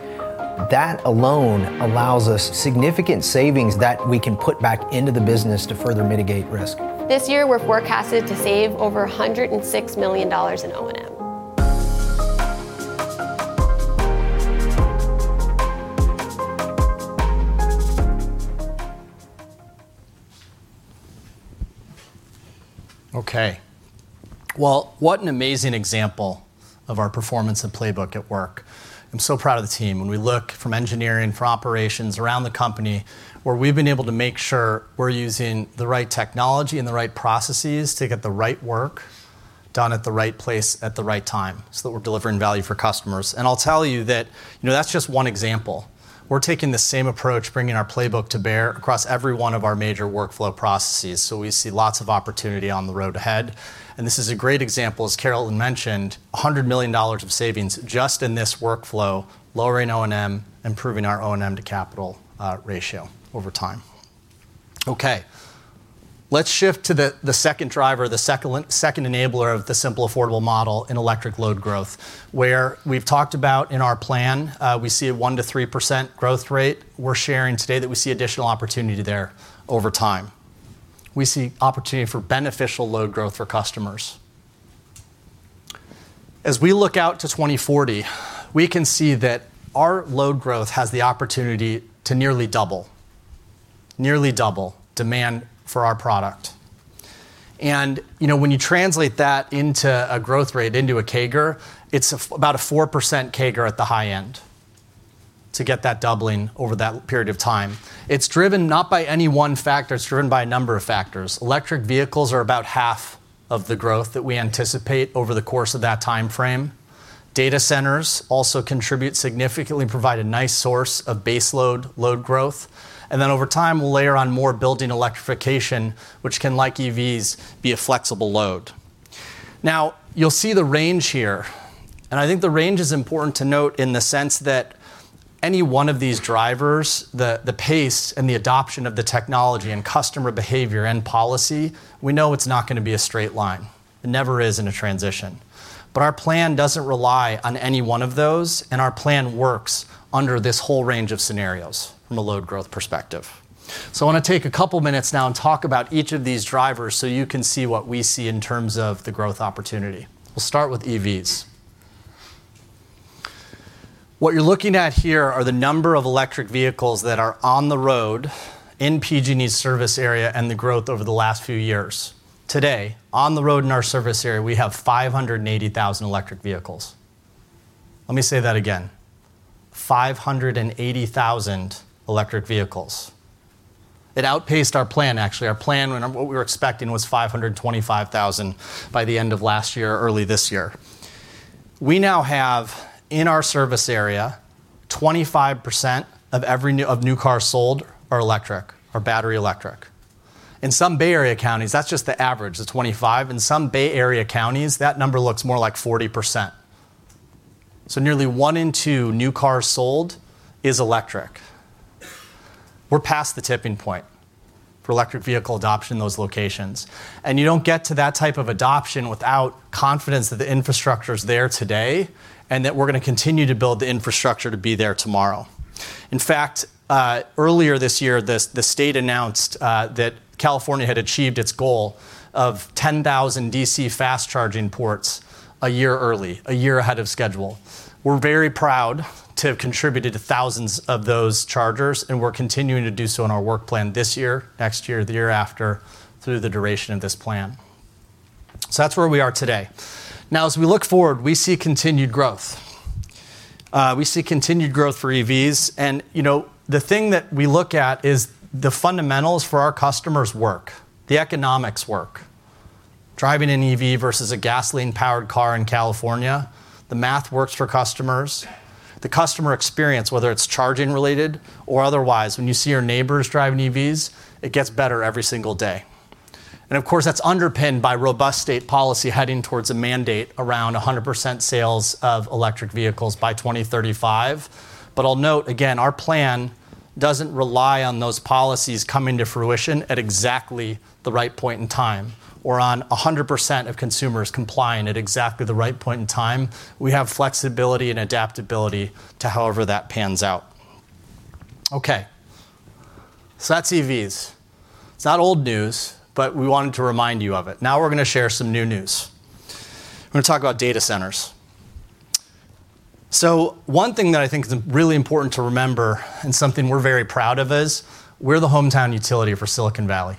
that AI alone allows us significant savings that we can put back into the business to further mitigate risk. This year, we're forecasted to save over $106 million in O&M. Okay, well, what an amazing example of our Performance Playbook at work. I'm so proud of the team. When we look from engineering for operations around the company where we've been able to make sure we're using the right technology and the right processes to get the right work done at the right place at the right time, so that we're delivering value for customers. And I'll tell you that that's just one example. We're taking the same approach, bringing our playbook to bear across every one of our major workflow processes. So we see lots of opportunity on the road ahead. And this is a great example, as Carolyn mentioned, $100 million of savings just in this workflow. Lowering O&M, improving our O&M to capital ratio over time. Okay, let's shift to the second enabler of the Simple, Affordable Model in electric load growth. Where we've talked about in our plan, we see a 1%-3% growth rate. We're sharing today that we see additional opportunity there over time. We see opportunity for beneficial load growth for customers. As we look out to 2040, we can see that our load growth has the opportunity to nearly double, nearly double demand for our product. And you know, when you translate that into a growth rate, into a CAGR, it's about a 4% CAGR at the high end to get that doubling over that period of time. It's driven not by any one factor, it's driven by a number of factors. Electric vehicles are about half of the growth that we anticipate over the course of that time frame. Data centers also contribute significantly, provide a nice source of baseload load growth, and then over time, we'll layer on more building electrification, which can, like EVs, be a flexible load. Now, you'll see the range here, and I think the range is important to note in the sense that any one of these drivers, the pace and the adoption of the technology and customer behavior and policy, we know it's not going to be a straight line. It never is in a transition. But our plan doesn't rely on any one of those. Our plan works under this whole range of scenarios from a load growth perspective. So I want to take a couple minutes now and talk about each of these drivers so you can see what we see in terms of the growth opportunity. We'll start with EVs. What you're looking at here are the number of electric vehicles that are on the road in PG&E's service area and the growth over the last few years. Today, on the road in our service area, we have 580,000 electric vehicles. Let me say that again. 580,000 electric vehicles. It outpaced our plan. Actually, our plan, what we were expecting was 525,000 by the end of last year, early this year. We now have in our service area, 25% of new cars sold are electric or battery electric. In some Bay Area counties, that's just the average. The 25% in some Bay Area counties, that number looks more like 40%. So nearly one in two new cars sold is electric. We're past the tipping point for electric vehicle adoption in those locations. You don't get to that type of adoption without confidence that the infrastructure is there today and that we're going to continue to build the infrastructure to be there tomorrow. In fact, earlier this year, the state announced that California had achieved its goal of 10,000 DC fast charging ports a year early, a year ahead of schedule. We're very proud to have contributed to thousands of those chargers and we're continuing to do so in our work plan this year, next year, the year after, through the duration of this plan. So that's where we are today. Now, as we look forward, we see continued growth, we see continued growth for EVs. And you know, the thing that we look at is the fundamentals for our customers work, the economics work. Driving an EV versus a gasoline powered car in California, the math works for customers. The customer experience, whether it's charging related or otherwise. When you see your neighbors driving EVs, it gets better every single day. And of course, that's underpinned by robust state policy heading towards a mandate around 100% sales of electric vehicles by 2035. But I'll note again, our plan doesn't rely on those policies coming to fruition at exactly the right point in time or on 100% of consumers complying at exactly the right point in time. We have flexibility and adaptability to however that pans out. Okay, so that's EVs. It's not old news, but we wanted to remind you of it. Now we're going to share some new news to talk about data centers. So one thing that I think is really important to remember and something we're very proud of, is we're the hometown utility for Silicon Valley.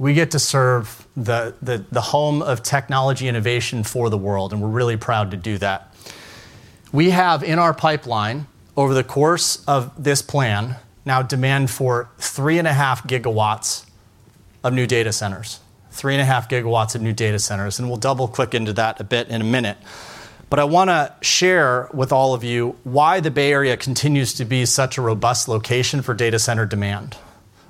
We get to serve the home of technology innovation for the world. We're really proud to do that. We have in our pipeline over the course of this plan now demand for 3.5 gigawatts of new data centers. 3.5 gigawatts of new data centers. We'll double click into that a bit in a minute. But I want to share with all of you why the Bay Area continues to be such a robust location for data center demand.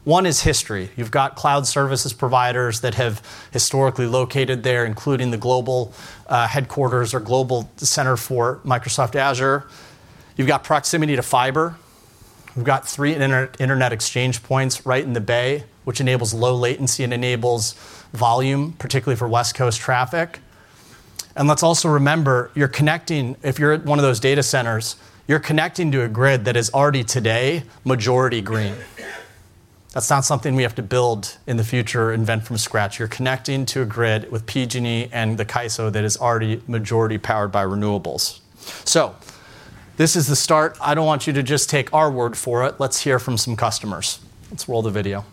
One is history. You've got cloud services providers that have historically located there, including the global headquarters or global center for Microsoft Azure. You've got proximity to fiber. We've got three Internet exchange points right in the Bay which enables low latency and enables volume, particularly for west coast traffic. Let's also remember, you're connecting. If you're at one of those data centers, you're connecting to a grid that is already today majority green. That's not something we have to build in the future invent from scratch. You're connecting to a grid with PG&E and the CAISO that is already majority powered by renewables. So this is the start. I don't want you to just take our word for it. Let's hear from some customers. Let's roll the video.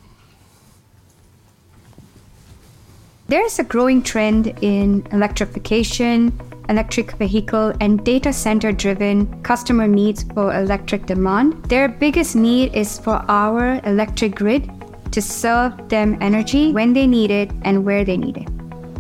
There is a growing trend in electrification, electric vehicle and data center driven customer needs for electric demand. Their biggest need is for our electric grid to serve them energy when they need it and where they need it.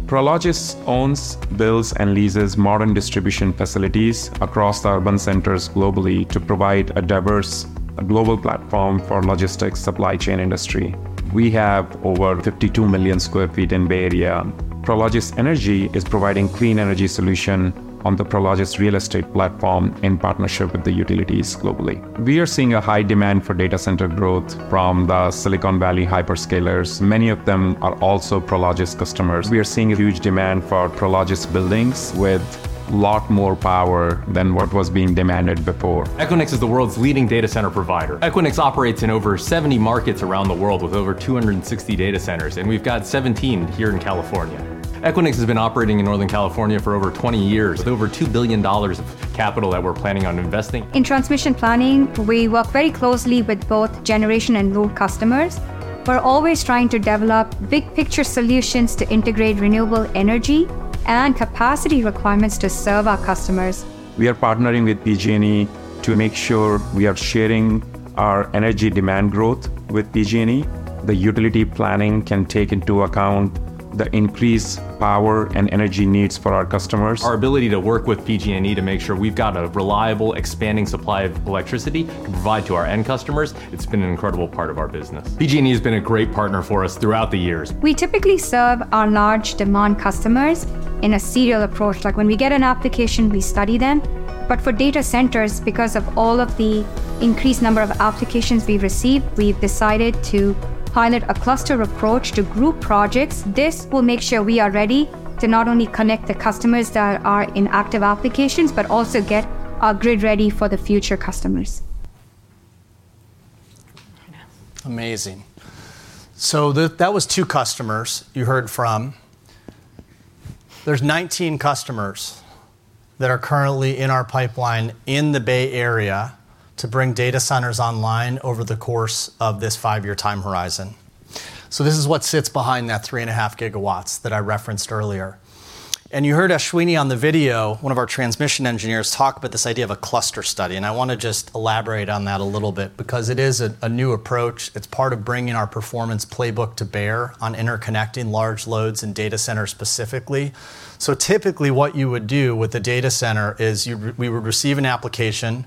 Prologis owns, builds and leases modern distribution facilities across the urban centers globally to provide a diverse global platform for logistics, supply chain industry. We have over 52 million sq ft in Bay Area. Prologis Energy is providing clean energy solution on the Prologis Real Estate Platform in partnership with the utilities. Globally we are seeing a high demand for data center growth from the Silicon Valley hyperscalers, many of them are also Prologis customers. We are seeing a huge demand for Prologis buildings with a lot more power. Than what was being demanded before. Equinix is the world's leading data center provider. Equinix operates in over 70 markets around the world with over 260 data centers and we've got 17 here in California. Equinix has been operating in Northern California for over 20 years with over $2. billion of capital that we're planning on. Investing in transmission planning. We work very closely with both generation and load customers. We're always trying to develop big picture. Solutions to integrate renewable energy and capacity. Requirements to serve our customers. We are partnering with PG&E to make. Sure, we are sharing our energy demand growth with PG&E. The utility planning can take into account the increased power and energy needs for our customers. Our ability to work with PG&E. to make sure we've got a reliable expanding supply of electricity to provide to our end customers. It's been an incredible part of our business. PG&E has been a great partner for us throughout the years. We typically serve our large demand customers in a serial approach. Like when we get an application, we study them. But for data centers, because of all. Of the increased number of applications we've. Received, we've decided to pilot a cluster approach to group projects. This will make sure we are ready to not only connect the customers that. Are in active applications, but also get. Our grid ready for the future customers. Amazing. So that was 2 customers you heard from. There's 19 customers that are currently in our pipeline in the Bay Area to bring data centers online over the course of this 5-year time horizon. So this is what sits behind that 3.5 GW that I referenced earlier. And you heard Ashwini on the video, one of our transmission engineers talk about this idea of a cluster study. And I want to just elaborate on that a little bit because it is a new approach. It's part of bringing our Performance Playbook to bear on interconnecting large loads and data centers specifically. So typically what you would do with the data center is we would receive an application,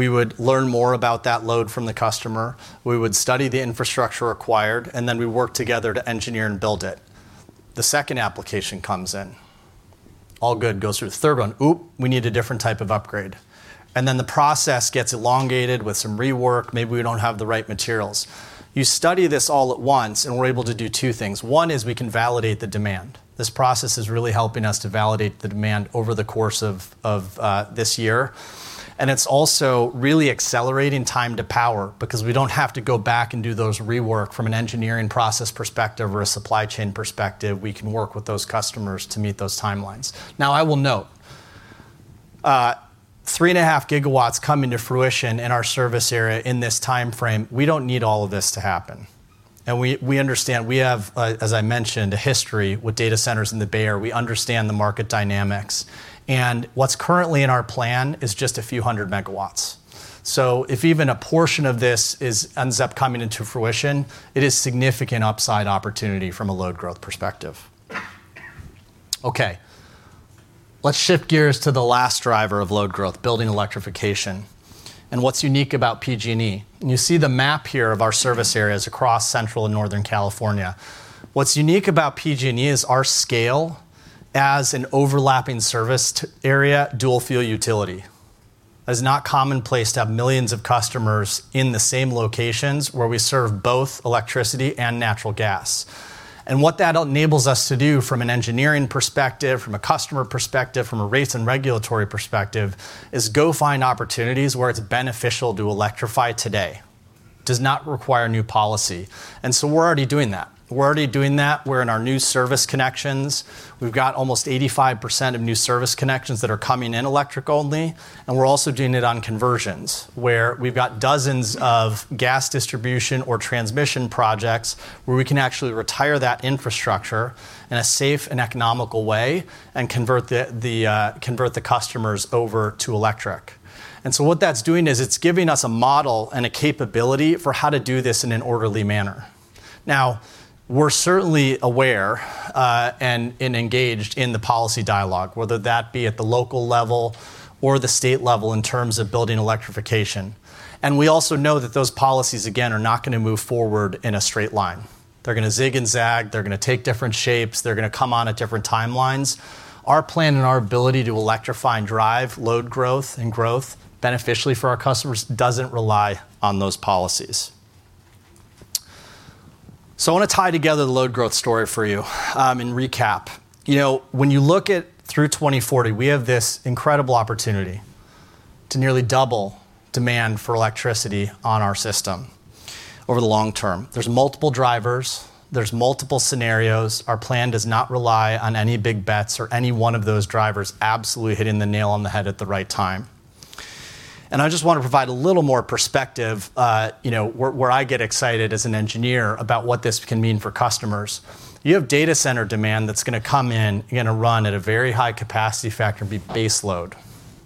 we would learn more about that load from the customer, we would study the infrastructure required and then we work together to engineer and build it. The second application comes in, all good goes through the third one. Oop. We need a different type of upgrade and then the process gets elongated with some rework. Maybe we don't have the right materials. You study this all at once and we're able to do two things. One is we can validate the demand. This process is really helping us to validate the demand over the course of this year. And it's also really accelerating time to power. Because we don't have to go back and do those rework from an engineering process perspective or a supply chain perspective, we can work with those customers to meet those timelines. Now I will note 3.5 gigawatts coming to fruition in our service area in this time frame. We don't need all of this to happen. And we, we understand, we have, as I mentioned, a history with data centers in the Bay Area. We understand the market dynamics, and what's currently in our plan is just a few hundred megawatts. So if even a portion of this ends up coming into fruition. It is significant upside opportunity from a load growth perspective. Okay, let's shift gears to the last driver of load growth, building electrification. And what's unique about PG&E, and you see the map here of our service areas across Central and Northern California. What's unique about PG&E is our scale as an overlapping service area dual fuel utility. It's not commonplace to have millions of customers in the same locations where we serve both electricity and natural gas. And what that enables us to do from an engineering perspective, from a customer perspective, from a rates and regulatory perspective, is go find opportunities where it's beneficial to electrify today does not require new policy. And so we're already doing that. We're already doing that. We're in our new service connections. We've got almost 85% of new service connections that are coming in electric only. We're also doing it on conversions where we've got dozens of gas distribution or transmission projects where we can actually retire that infrastructure in a safe and economical way and convert the customers over to electric. So what that's doing is it's giving us a model and a capability for how to do this in an orderly manner. Now, we're certainly aware and engaged in the policy dialogue, whether that be at the local level or the state level in terms of building electrification. We also know that those policies again are not going to move forward in a straight line. They're going to zig and zag, they're going to take different shapes, they're going to come on at different timelines. Our plan and our ability to electrify and drive load growth and growth beneficially for our customers doesn't rely on those policies. So I want to tie together the load growth story for you and recap. You know, when you look at through 2040, we have this incredible opportunity to nearly double demand for electricity on our system over the long term. There's multiple drivers, there's multiple scenarios. Our plan does not rely on any big bets or any one of those drivers absolutely hitting the nail on the head at the right time. And I just want to provide a little more perspective where I get excited as an engineer about what this can mean for customers. You have data center demand that's going to come in. You're going to run at a very high capacity factor and be baseload.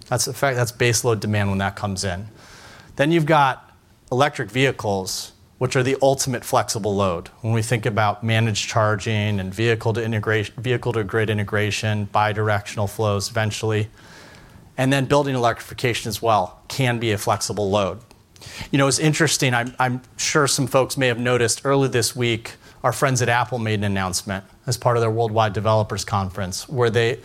That's baseload demand. When that comes in, then you've got electric vehicles which are the ultimate flexible load. When we think about managed charging and vehicle to grid integration bidirectional flows eventually. And then building electrification as well can be a flexible load. It's interesting. I'm sure some folks may have noticed. Earlier this week, our friends at Apple made an announcement as part of their Worldwide Developers Conference, where they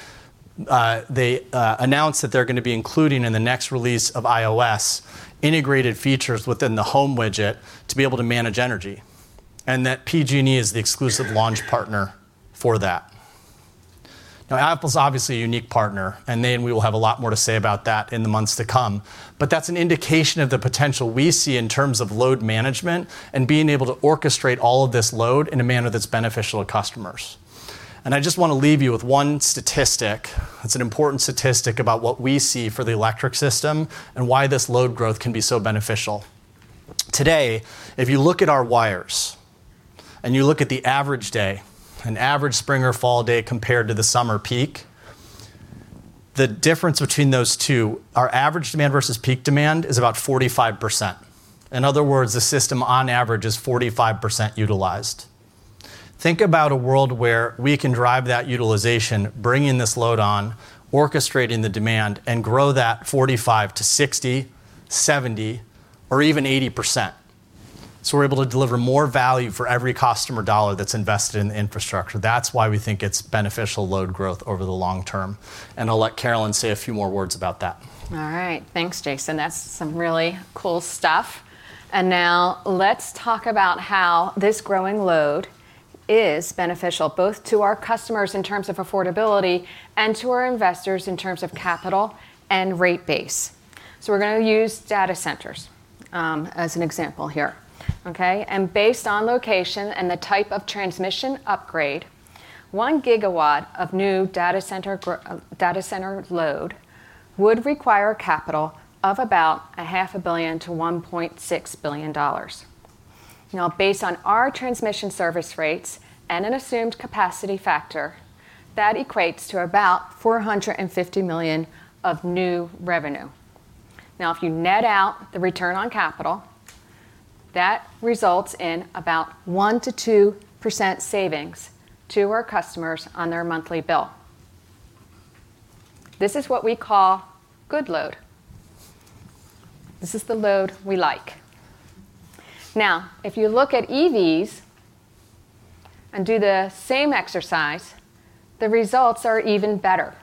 announced that they're going to be including in the next release of iOS integrated features within the Home Widget to be able to manage energy, and that PG&E is the exclusive launch partner for that. Now, Apple's obviously a unique partner, and they. We will have a lot more to say about that in the months to come, but that's an indication of the potential we see in terms of load management and being able to orchestrate all of this load in a manner that's beneficial to customers. I just want to leave you with one statistic that's an important statistic about what we see for the electric system and why this load growth can be so beneficial. Today, if you look at our wires and you look at the average day, an average spring or fall day compared to the summer peak, the difference between those two, our average demand versus peak demand is about 45%. In other words, the system on average is 45% utilized. Think about a world where we can drive that utilization, bringing this load on, orchestrating the demand, and grow that 45%-60%, 70% or even 80%. So we're able to deliver more value for every customer dollar that's invested in the infrastructure. That's why we think it's beneficial load growth over the long term. And I'll let Carolyn say a few more words about that. All right, thanks, Jason. That's some really cool stuff. And now let's talk about how this growing load is beneficial both to our customers in terms of affordability and to our investors in terms of capital and rate base. So we're going to use data centers as an example here. Okay. And based on location and the type of transmission upgrade, 1 gigawatt of new data center load would require capital of about $0.5 billion-$1.6 billion. Now, based on our transmission service rates and an assumed capacity factor, that equates to about $450 million of new revenue. Now, if you net out the return on capital, that results in about 1%-2% savings to our customers on their monthly bill. This is what we call good load. This is the load we like. Now, if you look at EVs and do the same exercise, the results are even better.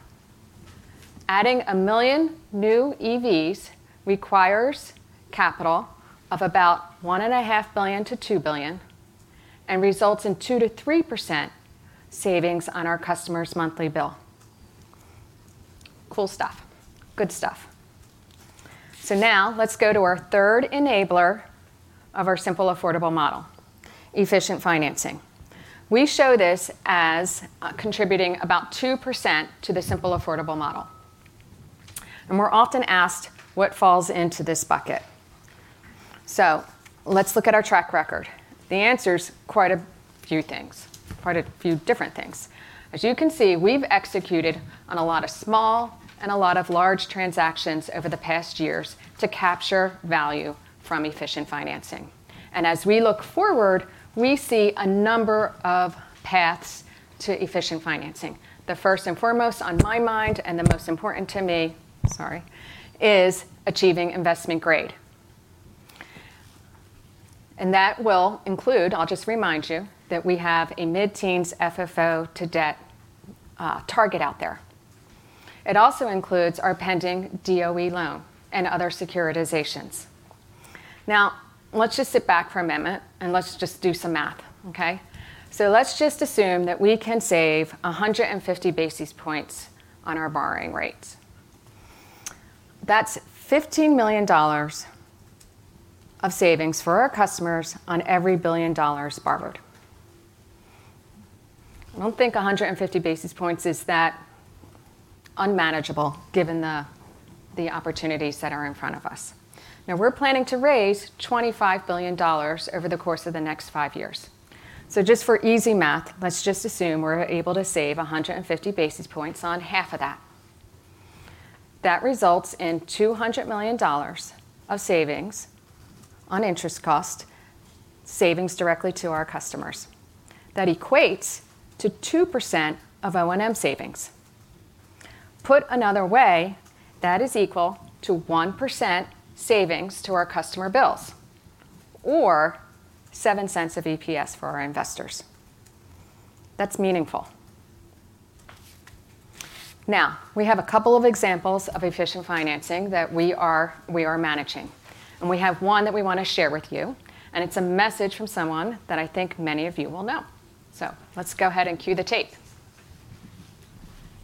Adding 1 million new EVs requires capital of about $1.5 billion-$2 billion and results in 2%-3% savings on our customer's monthly bill. Cool stuff. Good stuff. So now let's go to our third enabler of our Simple, Affordable Model, efficient financing. We show this as contributing about 2% to the Simple, Affordable Model. And we're often asked what falls into this bucket? So let's look at our track record. The answer is quite a few things. Quite a few different things. As you can see, we've executed on a lot of small and a lot of large transactions over the past years to capture value from efficient financing. And as we look forward, we see a number of paths to efficient financing. The first and foremost on my mind and the most important to me. Sorry. Is achieving investment grade. And that will include. I'll just remind you that we have a mid teens FFO to debt target out there. It also includes our pending DOE loan and other securitizations. Now let's just sit back for a minute and let's just do some math. Okay, so let's just assume that we can save 150 basis points, points on our borrowing rates. That's $15 million of savings for our customers on every $1 billion borrowed. I don't think 150 basis points is that unmanageable given the opportunities that are in front of us now. We're planning to raise $25 billion over the course of the next five years. So just for easy math, let's just assume we're able to save 150 basis points on half of that. That results in $200 million of savings on interest cost savings directly to our customers. That equates to 2% of O&M savings. Put another way, that is equal to 1% savings to our customer bills or $0.07 of EPS for our investors. That's meaningful. Now we have a couple of examples of efficient financing that we are managing and we have one that we want to share with you. And it's a message from someone that I think many of you will know. So let's go ahead and cue the tape.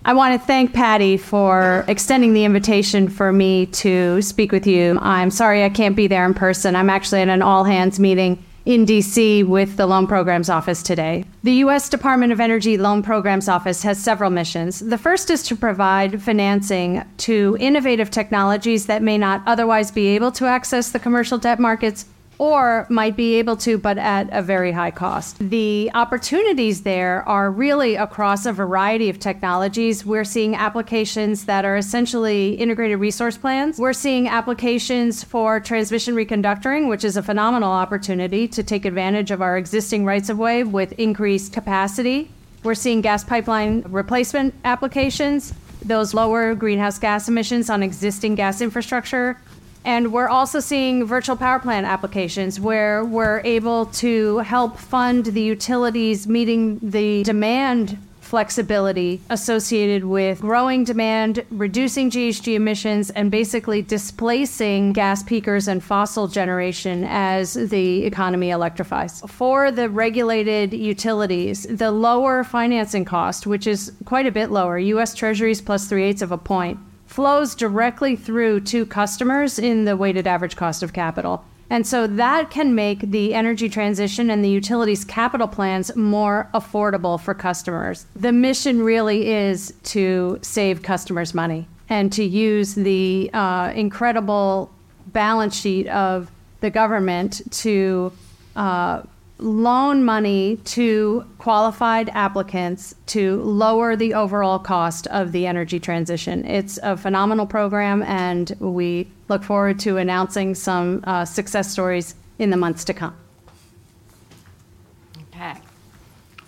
I want to thank Patti for extending the invitation for me to speak with you. I'm sorry I can't be there in person. I'm actually at an all hands meeting in D.C. with the Loan Programs Office today. The U.S. Department of Energy Loan Programs Office has several missions. The first is to provide financing to innovative technologies that may not otherwise be able to access the commercial debt markets or might be able to, but at a very high cost. The opportunities there are really across a variety of technologies. We're seeing applications that are essentially integrated resource plans. We're seeing applications for transmission reconductoring, which is a phenomenal opportunity to take advantage of our existing rights-of-way with increased capacity. We're seeing gas pipeline replacement applications, those lower greenhouse gas emissions on existing gas infrastructure. And we're also seeing virtual power plant applications where we're able to help fund the utilities meeting the demand, flexibility associated with growing demand, reducing GHG emissions and basically disruption, displacing gas peakers and fossil generation. As the economy electrifies for the regulated utilities, the lower financing cost, which is quite a bit lower, U.S. Treasuries plus three-eighths of a point flows directly through to customers in the weighted average cost of capital. And so that can make the energy transition and the utilities capital plans more affordable for customers. The mission really is to save customers money and to use the incredible balance sheet of the government to loan money to qualified applicants to lower the overall cost of the energy transition. It's a phenomenal program and we look forward to announcing some success stories in the months to come. Okay,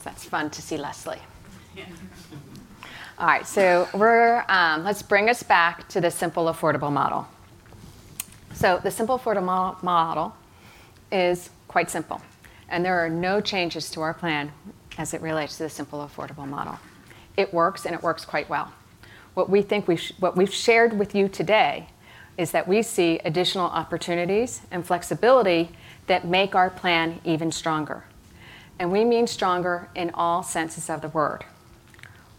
that's fun to see, Lastly. All right, so let's bring us back to the Simple, Affordable Model. So the Simple, Affordable Model is quite simple and there are no changes to our plan as it relates to the Simple, Affordable Model. It works and it works quite well. What we think, what we've shared with you today is that we see additional opportunities and flexibility that make our plan even stronger. And we mean stronger in all senses of the word.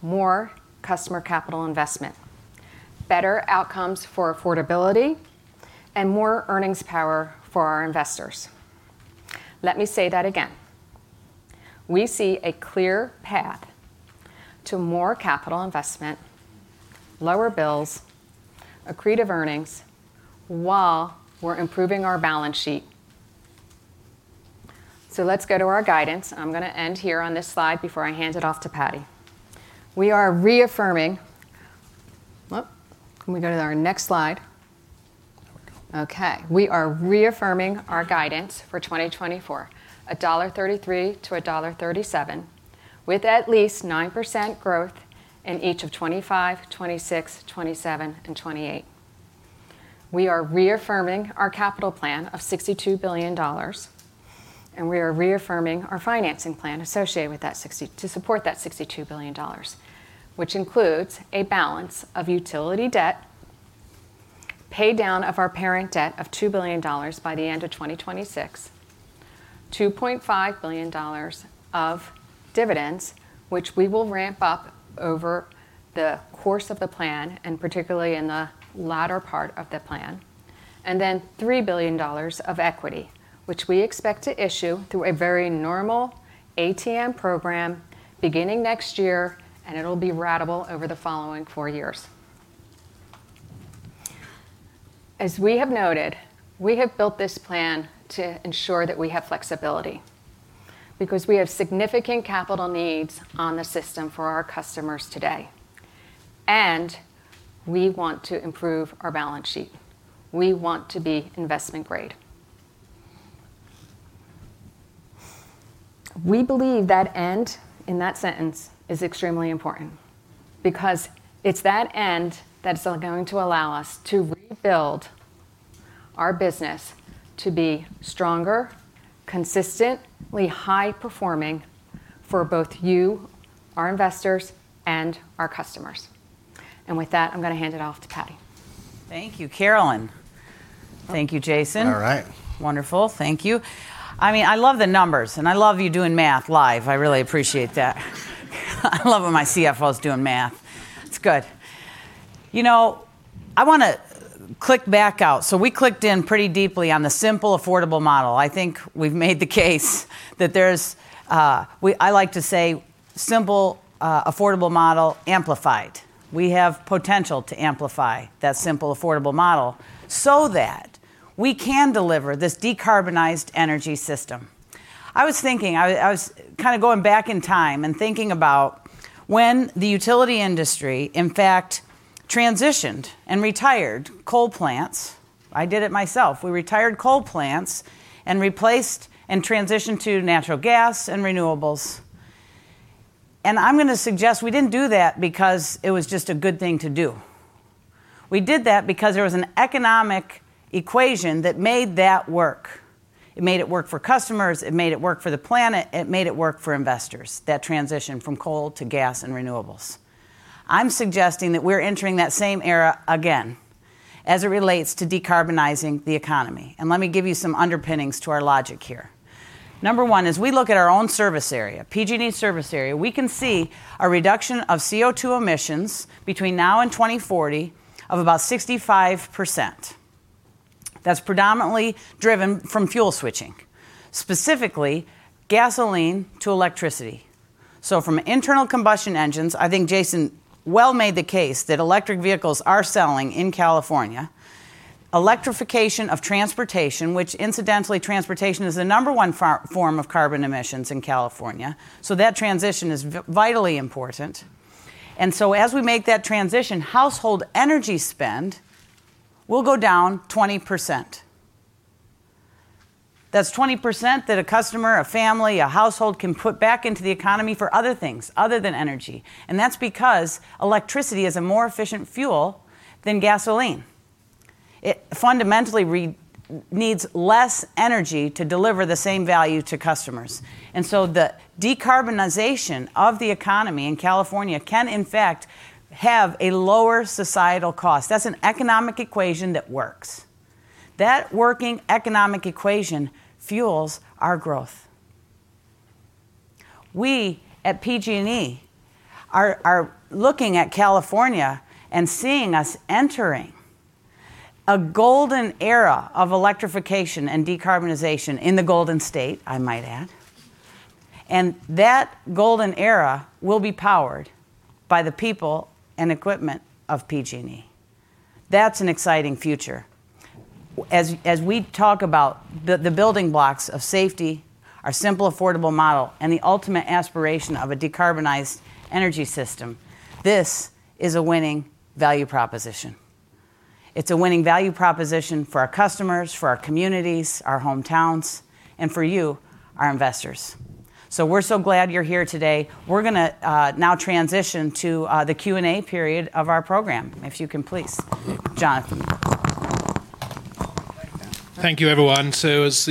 More customer capital investment, better outcomes for affordability, and more earnings power for our investors. Let me say that again. We see a clear path to more capital investment, lower bills, accretive earnings while we're improving our balance sheet. So let's go to our guidance. I'm going to end here on this slide before I hand it off to Patti. We are reaffirming. Let me go to our next slide. Okay. We are reaffirming our guidance for 2024, $1.33-$1.37 with at least 9% growth in each of 2025, 2026, 2027, and 2028. We are reaffirming our capital plan of $62 billion. And we are reaffirming our financing plan associated with that $60 billion to support that $62 billion, which includes a balance of utility debt, pay down of our parent debt of $2 billion by the end of 2026, $2.5 billion of dividends, which we will ramp up over the course of the plan, and particularly in the latter part of the plan, and then $3 billion of equity which we expect to issue through a very normal ATM program beginning next year. And it'll be ratable over the following four years. As we have noted, we have built this plan to ensure that we have flexibility because we have significant capital needs on the system for our customers today. We want to improve our balance sheet. We want to be investment grade. We believe that end in that sentence is extremely important because it's that end that's going to allow us to rebuild our business to be stronger, consistently high performing for both you, our investors and our customers. With that, I'm going to hand it off to Patti. Thank you, Carolyn. Thank you, Jason. All right, wonderful. Thank you. I mean, I love the numbers and I love you doing math live. I really appreciate that. I love them. I see CFO is doing math. It's good. You know, I want to click back out. So we clicked in pretty deeply on the Simple, Affordable Model. I think we've made the case that there's, I like to say Simple, Affordable Model amplified. We have potential to amplify that Simple, Affordable Model so that we can deliver this decarbonized energy system. I was thinking, I was kind of going back in time and thinking about when the utility industry in fact transitioned and retired coal plants. I did it myself. We retired coal plants and replaced and transitioned to natural gas and renewables. I'm going to suggest we didn't do that because it was just a good thing to do. We did that because there was an economic equation that made that work. It made it work for customers. It made it work for the planet. It made it work for investors, that transition from coal to gas and renewables. I'm suggesting that we're entering that same era again as it relates to decarbonizing the economy. Let me give you some underpinnings to our logic here. Number one, as we look at our own service area, PG&E service area, we can see a reduction of CO2 emissions between now and 2040 of about 65%. That's predominantly driven from fuel switching, specifically gasoline to electricity. So from internal combustion engines. I think Jason Glickman made the case that electric vehicles are selling in California. Electrification of transportation, which incidentally, transportation is the number one form of carbon emissions in California. So that transition is vitally important. And so as we make that transition, household energy spend will go down 20%. That's 20% that a customer, a family, a household can put back into the economy for other things other than energy. And that's because electricity is a more efficient fuel than gasoline. It fundamentally needs less energy to deliver the same value to customers. And so the decarbonization of the economy in California can in fact have a lower societal cost. That's an economic equation that works. That working economic equation fuels our growth. We at PG&E are looking at California and seeing us entering a golden era of electrification and decarbonization in the Golden State. I might have. And that golden era will be powered by the people and equipment of PG&E. That's an exciting future. As we talk about the building blocks of safety, our simple, affordable model and the ultimate aspiration of a decarbonized energy system. This is a winning value proposition. It's a winning value proposition for our customers, for our communities, our hometowns, and for you, our investors. So we're so glad you're here today. We're going to now transition to the Q and A period of our program. If you can, please, Jonathan. Thank you, everyone. So as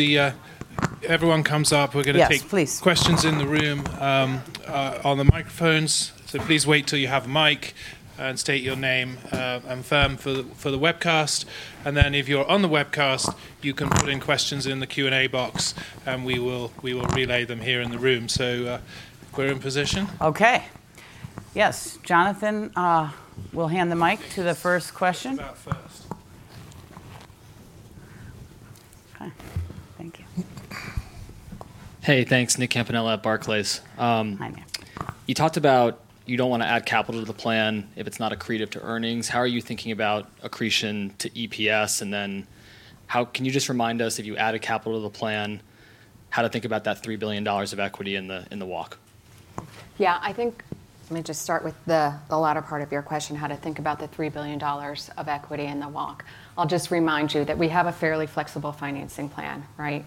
everyone comes up, we're going to take questions in the room on the microphones. So please wait till you have the mic and state your name and firm for the webcast. And then if you're on the webcast, you can put in questions in the Q and A box and we will relay them here in the room. So we're in position. Okay. Yes. Jonathan will hand the mic to the first question. Hey, thanks. Nick Campanella at Barclays. Hi, Nick. You talked about you don't want to add capital to the plan if it's not accretive to earnings. How are you thinking about accretion to EPS? And then how can you just remind us if you added capital to the plan, how to think about that $3 billion of equity in the walk? Yeah, I think. Let me just start with the latter part of your question. How to think about the $3 billion of equity in the walk. I'll just remind you that we have a fairly flexible financing plan, right?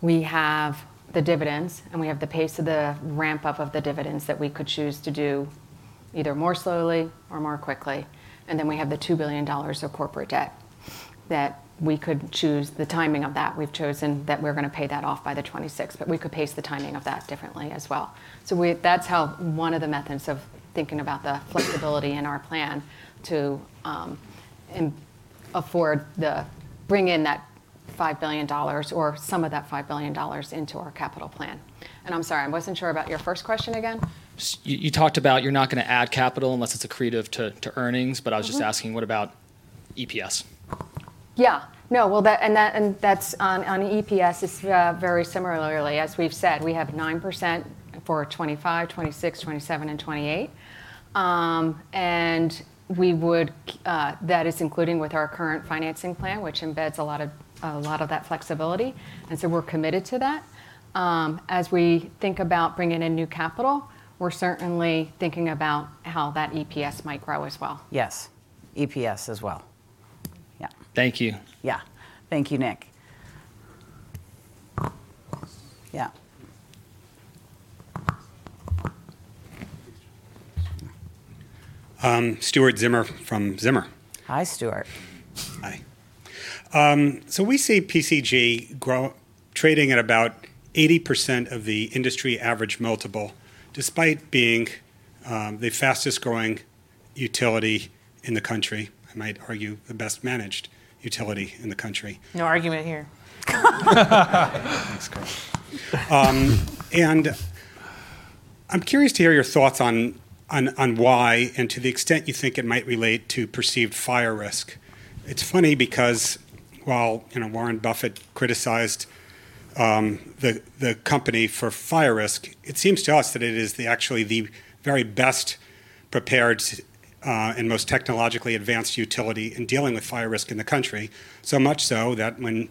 We have the dividends and we have the pace of the ramp up of the dividends that we could choose to do either more slowly or more quickly. And then we have the $2 billion of corporate debt that we could choose the timing of that. We've chosen that we're going to pay that off by 2026, but we could pace the timing of that differently as well. So that's how one of the methods of thinking about the flexibility in our plan to afford the bring in that $5 billion or some of that $5 billion into our capital plan. And I'm sorry, I wasn't sure about. Your first question again, you talked about you're not going to add capital unless it's accretive to earnings. But I was just asking, what about EPS? Yeah, no, well, that and that and that's on EPS. It's very similarly, as we've said, we have 9% for 2025, 2026, 2027 and 2028. And we would. That is including with our current financing plan, which embeds a lot of that flexibility. And so we're committed to that. As we think about bringing in new capital, we're certainly thinking about how that EPS might grow as well. Yes. EPS as well. Yeah. Thank you. Yeah. Thank you, Nick. Yeah. Stuart Zimmer from Zimmer. Hi, Stuart. Hi. So we see PCG trading at about 80% of the industry average multiple, despite being the fastest growing utility in the country, I might argue the best managed utility in the country. No argument here. And I'm curious to hear your thoughts on why and to the extent you think it might relate to perceived fire risk. It's funny because while Warren Buffett criticized the company for fire risk, it seems to us that it is actually the very best prepared and most technologically advanced utility in dealing with fire risk in the country. So much so that when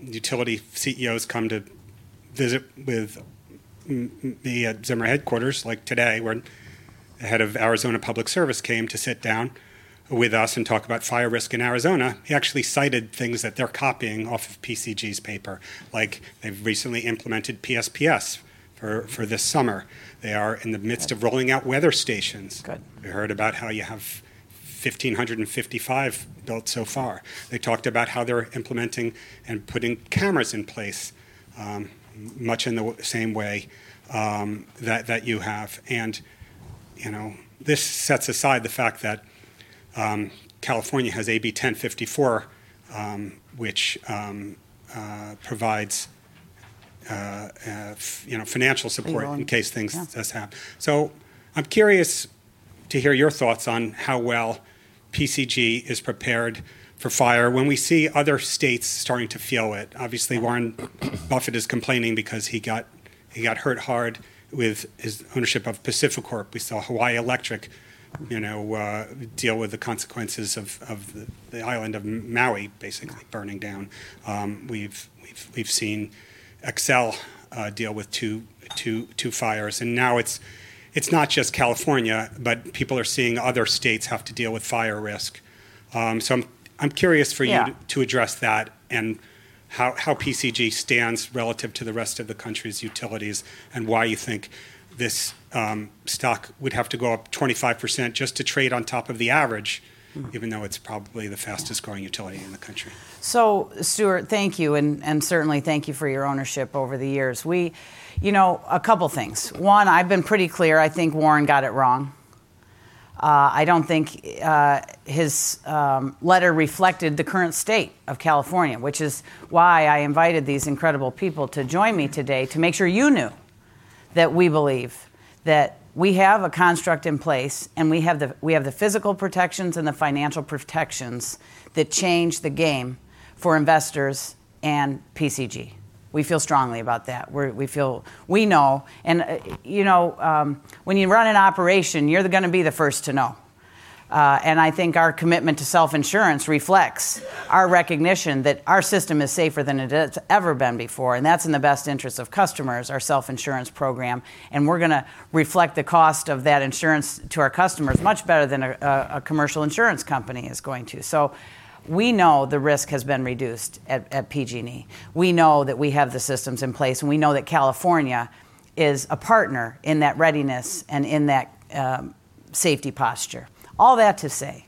utility CEOs come to visit with me at Zimmer headquarters, like today, when the head of Arizona Public Service came to sit down with us and talk about fire risk in Arizona, he actually cited things that they're copying off of PG&E's paper, like they've recently implemented PSPS for this summer. They are in the midst of rolling out weather stations. We heard about how you have 1,555 built so far. They talked about how they're implementing and putting cameras in place, much in the same way that you have. You know, this sets aside the fact that California has AB 1054, which provides, you know, financial support in case things does happen. So I'm curious to hear your thoughts on how well PG&E is prepared for fire when we see other states starting to feel it. Obviously, Warren Buffett is complaining because he got hurt hard with his ownership of PacifiCorp. We saw Hawaiian Electric, you know, deal with the consequences of the island of Maui basically burning down. We've seen Xcel deal with two fires, and now it's not just California, but people are seeing other states have to deal with fire risk. I'm curious for you to address that and how PCG stands relative to the rest of the country's utilities and why you think this stock would have to go up 25% just to trade on top of the average, even though it's probably the fastest growing utility in the country. So, Stuart, thank you and certainly thank you for your ownership over the years. We, you know, a couple things. One, I've been pretty clear. I think Warren got it wrong. I don't think his letter reflected the current state of California, which is why I invited these incredible people to join me today to make sure you knew that. We believe that we have a construct in place and we have the physical protections and the financial protections that change the game for investors and PCG. We feel strongly about that. We feel, we know. And you know, when you run an operation, you're going to be the first to know. And I think our commitment to self insurance reflects our recognition that our system is safer than it's ever been before. And that's in the best interest of customers. Our self insurance program. And we're going to reflect the cost of that insurance to our customers much better than a commercial insurance company is going to. So we know the risk has been reduced at PG&E. We know that we have the systems in place and we know that California is a partner in that readiness and in that safety posture. All that to say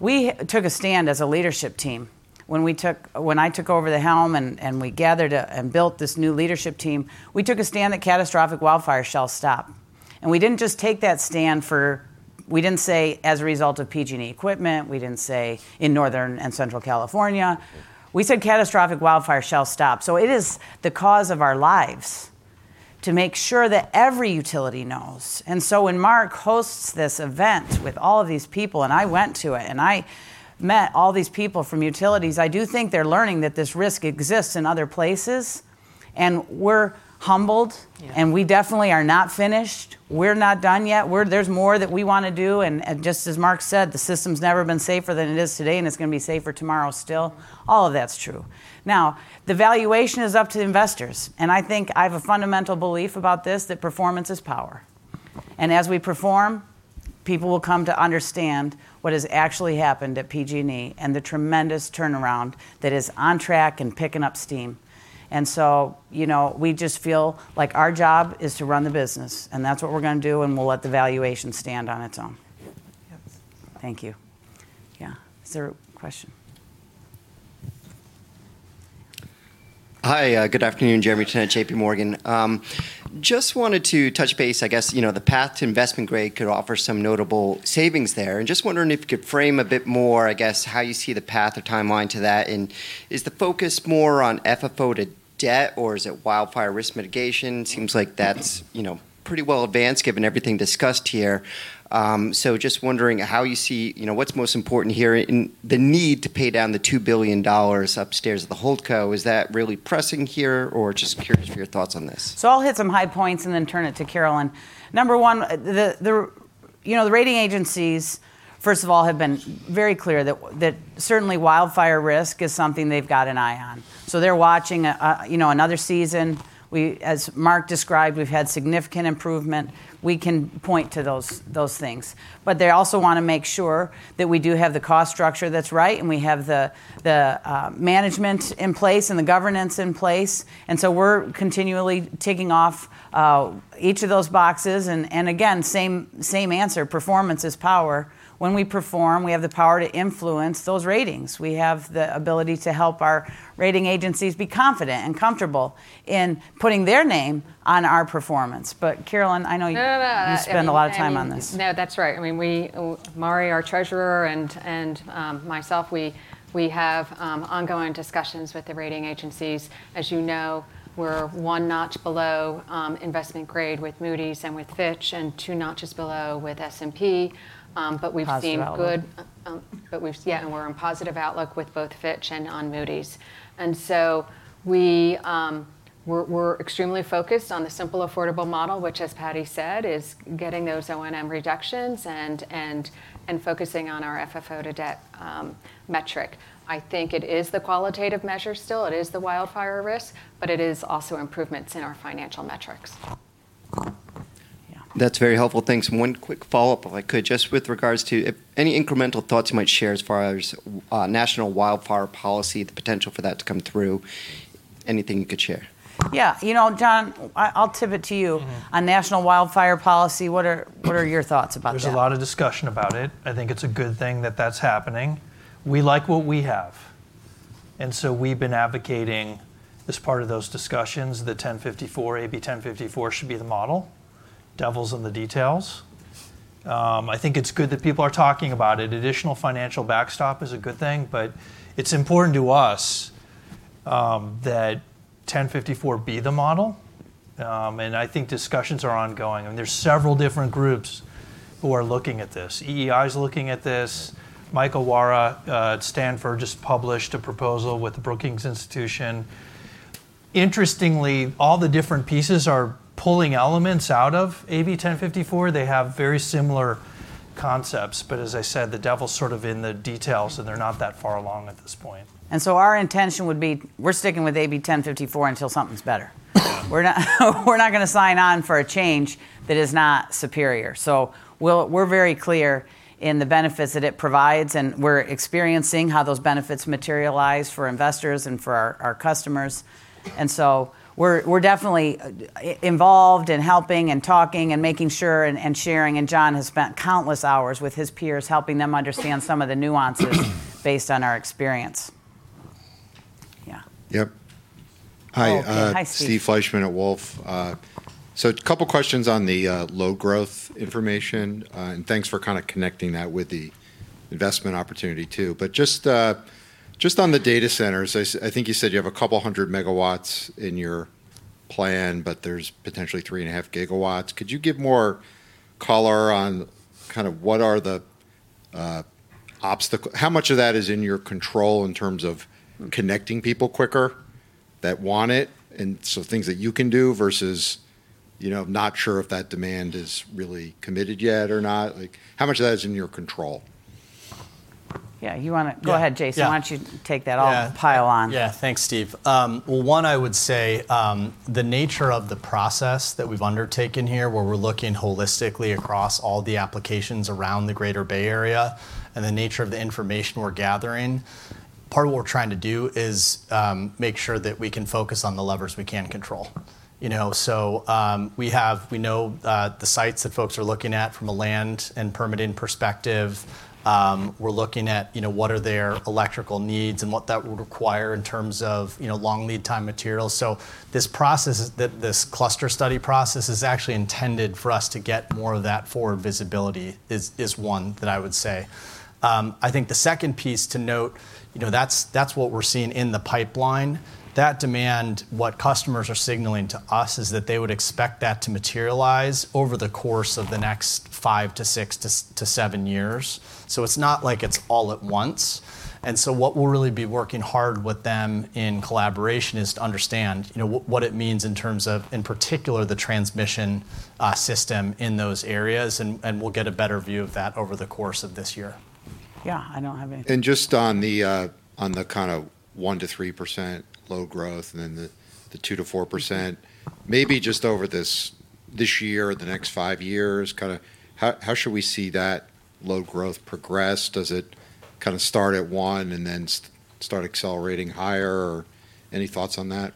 we took a stand as a leadership team when I took over the helm and we gathered and built this new leadership team. We took a stand that catastrophic wildfire shall stop. And we didn't just take that stand for. We didn't say as a result of PG&E equipment, we didn't say in Northern and Central California, we said catastrophic wildfire shall stop. So it is the cause of our lives to make sure that every utility knows. When Mark hosts this event with all of these people and I went to it and I met all these people from utilities, I do think they're learning that this risk exists in other places. We're humbled and we definitely are not finished. We're not done yet. There's more that we want to do. Just as Mark said, the system's never been safer than it is today and it's going to be safer tomorrow. Still, all of that's true now. The valuation is up to investors. I think I have a fundamental belief about this, that performance is power. As we perform, people will come to understand what has actually happened at PG&E and the tremendous turnaround that is on track and picking up steam. So, you know, we just feel like our job is to run the business and that's what we're going to do. We'll let the valuation stand on its own. Thank you. Yeah. Is there a question? Hi, good afternoon. Jeremy Tonet, J.P. Morgan. Just wanted to touch base, I guess, you know, the path to investment grade could offer some notable savings there. And just wondering if you could frame a bit more, I guess, how you see the path or timeline to that. And is the focus more on FFO to debt or is it wildfire risk mitigation? Seems like that's, you know, pretty well advanced given everything discussed here. So just wondering how you see, you know, what's most important here in the need to pay down the $2 billion upstairs at the Holdco. Is that really pressing here or just curious for your thoughts on this. So I'll hit some high points and then turn it to Carolyn, number one. You know, the rating agencies first of all have been very clear that certainly wildfire risk is something they've got an eye on. So they're watching, you know, another season as Mark described, we've had significant improvement. We can point to those things. But they also want to make sure that we do have the cost structure. That's right. And we have the management in place and the governance in place. And so we're continually ticking off each of those boxes. And again, same answer, performance is power. When we perform, we have the power to influence those ratings. We have the ability to help our rating agencies be confident and comfortable in putting their name on our performance. But, Carolyn, I know you spend a lot of time on this. No, that's right. I mean, Mari, our treasurer and myself, we have ongoing discussions with the rating agencies. As you know, we're one notch below investment grade with Moody's and with Fitch and two notches below with S&P. But we've seen good, and we're in positive outlook with both Fitch and on Moody's. And so we're extremely focused on the simple, affordable model which, as Patti said, is getting those O&M reduction and focusing on our FFO to debt metric. I think it is the qualitative measure still. It is the wildfire risk, but it is also improvements in our financial metrics. That's very helpful. Thanks. One quick follow up, if I could just with regards to any incremental thoughts you might share as far as national wildfire policy, the potential for that to come through? Anything you could share? Yeah. You know, John, I'll tip it to you on national wildfire policy. What are your thoughts about that? There's a lot of discussion about it. I think it's a good thing that that's happening. We like what we have. And so we've been advocating as part of those discussions that 1054, AB 1054 should be the model. Devil's in the details. I think it's good that people are talking about it. Additional financial backstop is a good thing. But it's important to us that 1054 be the model. And I think discussions are ongoing. And there's several different groups who are looking at this. EEI is looking at this. Michael Wara at Stanford just published a proposal with the Brookings Institution. Interestingly, all the different pieces are pulling elements out of AB 1054. They have very similar concepts, but as I said, the devil's sort of in the details and they're not that far along at this point. Our intention would be we're sticking with AB 1054 until something's better. We're not going to sign on for a change that is not superior. We're very clear in the benefits that it provides and we're experiencing how those benefits materialize for investors and for our customers. We're definitely involved in helping and talking and making sure and sharing. John has spent countless hours with his peers helping them understand some of the nuances based on our experience. Yeah. Yep. Hi, Steve Fleischmann at Wolfe. So a couple questions on the load growth information and thanks for kind of connecting that with the investment opportunity too. But just, just on the data centers, I think you said you have a couple hundred MW in your plan, but there's potentially 3.5 GW. Could you give more color on kind of what are the obstacles? How much of that is in your control in terms of connecting people quicker that want it. And so things that you can do versus, you know, not sure if that demand is really committed yet or not. Like how much of that is in your control. Yeah, you want to go ahead, Jason? Why don't you take that all pile on? Yeah. Thanks, Steve. Well, one, I would say the nature of the process that we've undertaken here, where we're looking holistically across all the applications around the greater Bay Area and the nature of the information we're gathering, part of what we're trying to do is make sure that we can focus on the levers we can control. You know, so we have, we know the sites that folks are looking at from a land and permitting perspective. We're looking at, you know, what are their electrical needs and what that would require in terms of long lead time, materials. So this process, that this cluster study process is actually intended for us to get more of that forward visibility is one that I would say. I think the second piece to note, that's what we're seeing in the pipeline, that demand, what customers are signaling to us is that they would expect that to materialize over the course of the next 5 to 6 to 7 years. So it's not like it's all at once. And so what we'll really be working hard with them in collaboration is to understand what it means in terms of, in particular the transmission system in those areas. And we'll get a better view of that over the course of this year. Yeah, I don't have anything. Just on the kind of 1%-3% low growth and then the 2%-4%, maybe just over this year, the next 5 years, kind of. How should we see that load growth progress? Does it kind of start at 1 and then start accelerating higher or any thoughts on that?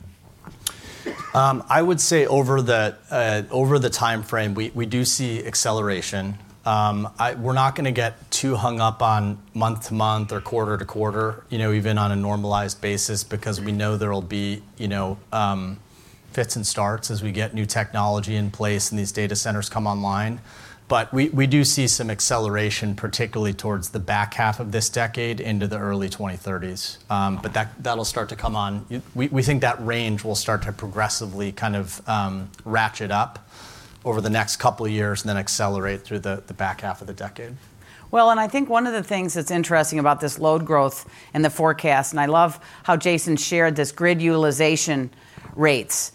I would say over that, over the timeframe, we do see acceleration. We're not going to get too hung up on month to month or quarter to quarter, even on a normalized basis, because we know there will be fits and starts as we get new technology in place and these data centers come online. But we do see some acceleration, particularly towards the back half of this decade, into the early 2030s. But that will start to come on. We think that range will start to progressively kind of ratchet up over the next couple of years and then accelerate through the back half of the decade. Well, and I think one of the things that's interesting about this load growth and the forecast, and I love how Jason shared this, grid utilization rates.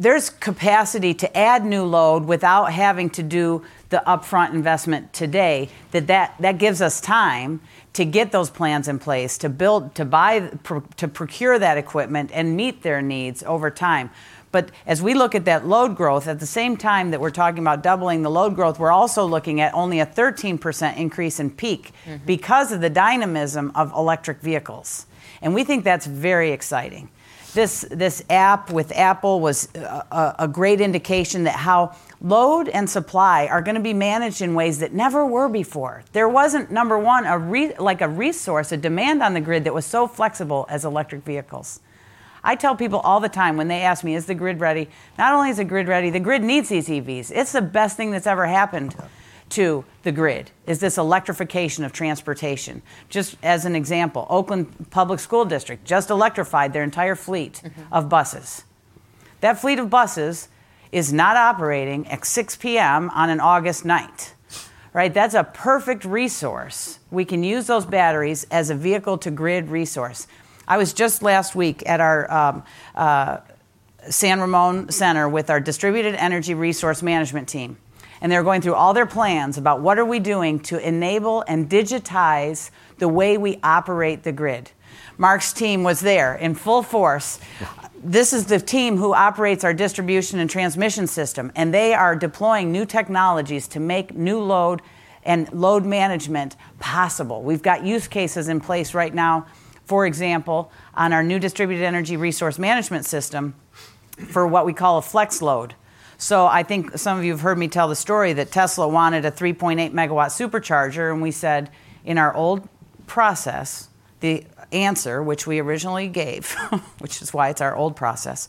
There's capacity to add new load without having to do the upfront investment today. That, that, that gives us time to get those plans in place, to build, to buy, to procure that equipment and meet their needs over time. But as we look at that load growth, at the same time that we're talking about doubling the load growth, we're also looking at only a 13% increase in peak because of the dynamism of electric vehicles. And we think that's very exciting. This app with Apple was a great indication that how load and supply are going to be managed in ways that never were before. There wasn't, number one, a resource, a demand on the grid that was so flexible as electric vehicles. I tell people all the time when they ask me, is the grid ready? Not only is the grid ready, the grid needs these EVs. It's the best thing that's ever happened to the grid is this electrification of transportation. Just as an example, Oakland Public School district just electrified their entire fleet of buses. That fleet of buses is not operating at 6:00 P.M. on an August night. Right. That's a perfect resource. We can use those batteries as a vehicle to grid resource. I was just last week at our San Ramon center with our distributed energy resource management team and they're going through all their plans about what are we doing to enable and digitize the way we operate the grid. Mark's team was there in full force. This is the team who operates our distribution and transmission system, and they are deploying new technologies to make new load and load management possible. We've got use cases in place right now, for example, on our new distributed energy resource management system for what we call a flex load. So I think some of you have heard me tell the story that Tesla wanted a 3.8-MW supercharger. And we said in our old process, the answer which we originally gave, which is why it's our old process,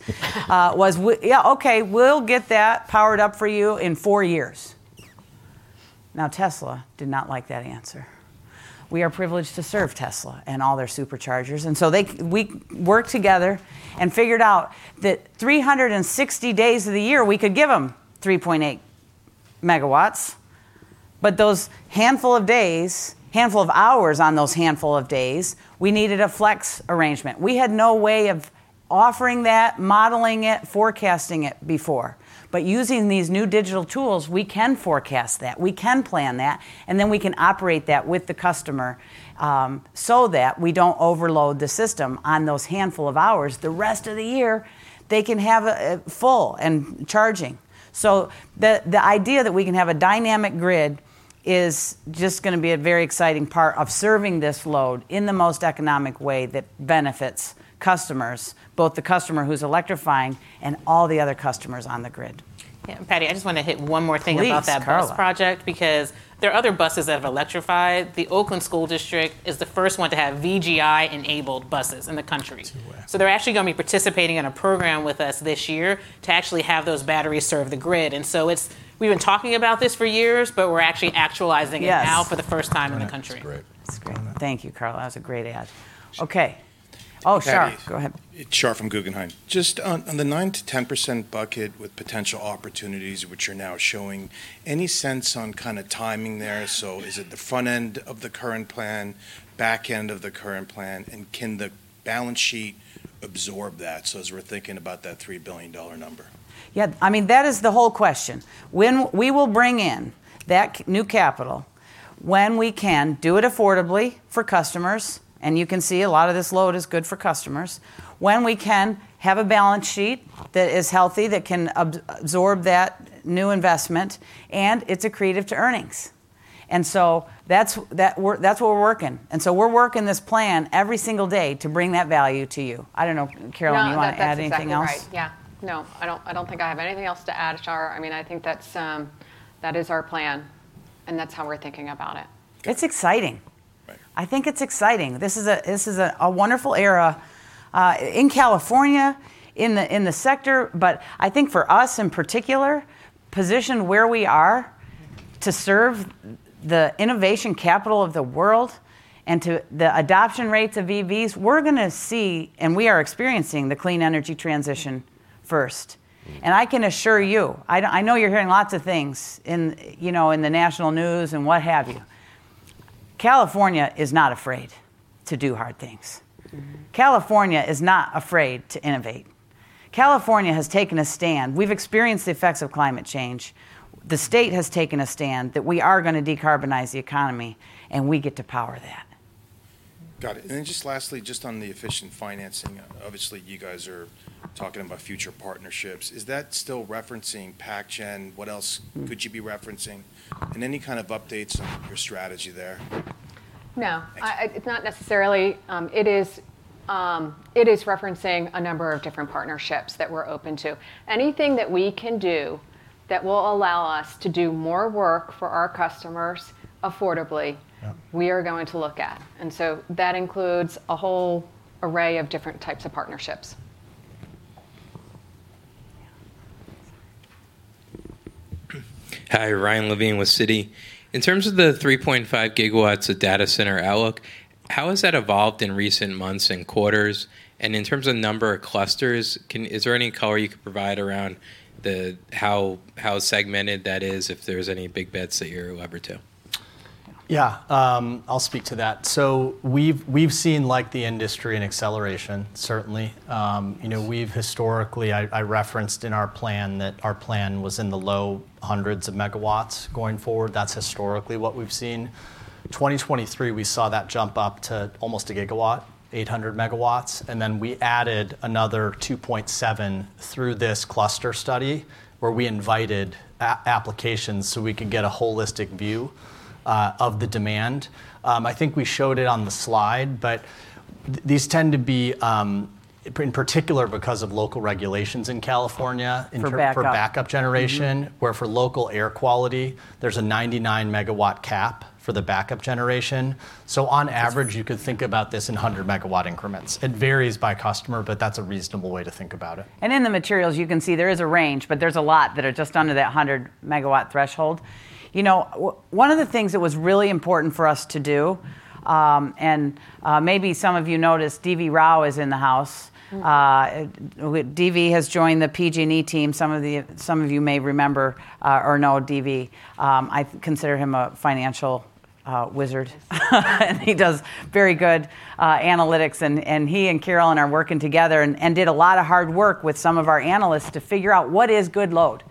was yeah, okay, we'll get that powered up for you in four years. Now, Tesla did not like that answer. We are privileged to serve Tesla and all their super Superchargers. And so we worked together and figured out that 360 days of the year we could give them 3.8 MW. But those handful of days, handful of hours on those handful of days, we needed a flex arrangement. We had no way of offering that, modeling it, forecasting it before. But using these new digital tools, we can forecast that, we can plan that, and then we can operate that with the customer so that we don't overload the system on those handful of hours. The rest of the year they can have full and charging. So the idea that we can have a dynamic grid is just going to be a very exciting part of serving this load in the most economic way that benefits customers, both the customer who's electrifying and all the other customers on the grid. Patti, I just want to hit one more thing about that project because there are other buses that have electrified. The Oakland school district is the first one to have VGI enabled buses in the country. So they're actually going to be participating in a program with us this year to actually have those batteries serve the grid. And so it's. We've been talking about this for years, but we're actually actualizing it now for the first time in the country. Thank you, Carla. That was a great ad. Okay, go ahead, Shar from Guggenheim. Just on the 9%-10% bucket with potential opportunities which are now showing any sense on kind of timing there. So is it the front end of the current plan, back end of the current plan, and can the balance sheet absorb that? So as we're thinking about that $3 billion number. Yeah, I mean, that is the whole question. When we will bring in that new capital, when we can do it affordably for customers. And you can see a lot of this load is good for customers. When we can have a balance sheet that is healthy, that can absorb that new investment and it's accretive to earnings. And so that's what we're working. And so we're working this plan every single day to bring that value to you. I don't know. Carolyn, you want to add anything else? Yeah, no, I don't think I have anything else to add, Char. I mean, I think that's, that is our plan and that's how we're thinking about it. It's exciting. I think it's exciting. This is a wonderful era in California in the sector. But I think for us in particular positioned where we are to serve the innovation capital of the world and to the adoption rates of EVs, we're going to see and we are experiencing the clean energy transition first. And I can assure you, I know you're hearing lots of things in the national news and what have you. California is not afraid to do hard things. California is not afraid to innovate. California has taken a stand. We've experienced the effects of climate change. The state has taken a stand that we are going to decarbonize the economy and we get to power that. Got it. Just lastly, just on the efficient financing, obviously you guys are talking about future partnerships. Is that still referencing PacGen? What else could you be referencing and any kind of updates on your strategy there? No, it's not necessarily. It is referencing a number of different partnerships that we're open to. Anything that we can do that will allow us to do more work for our customers affordably, we are going to look at. And so that includes a whole array of different types of partnerships. Hi, Ryan Levine with Citi. In terms of the 3.5 GW of data center outlook, how has that evolved in recent months and quarters and in terms of number of clusters, is there any color you could provide around how segmented that is? If there's any big bets that you're aware of too? Yeah, I'll speak to that. So we've seen like the industry an acceleration certainly you know, we've historically I referenced in our plan that our plan was in the low hundreds of megawatts. Going forward, that's historically what we've seen. 2023, we saw that jump up to almost a gigawatt, 800 MW. And then we added another 2.7 GW through this cluster study where we invited applications so we could get a holistic view of the demand. I think we showed it on the slide. But these tend to be in particular because of local regulations in California for backup generation, where for local air quality, there's a 99 MW cap for the backup generation. So on average, you could think about this in 100 MW increments. It varies by customer, but that's a reasonable way to think about it. In the materials, you can see there is a range, but there's a lot that are just under that 100 MW threshold. You know, one of the things that was really important for us to do, and maybe some of you noticed D.V. Rao is in the house. D.V. has joined the PG&E team. Some of you may remember or know D.V., I consider him a financial wizard. And he does very good analytics. And he and Carolyn are working together and did a lot of hard work with some of our analysts to figure out what is good load.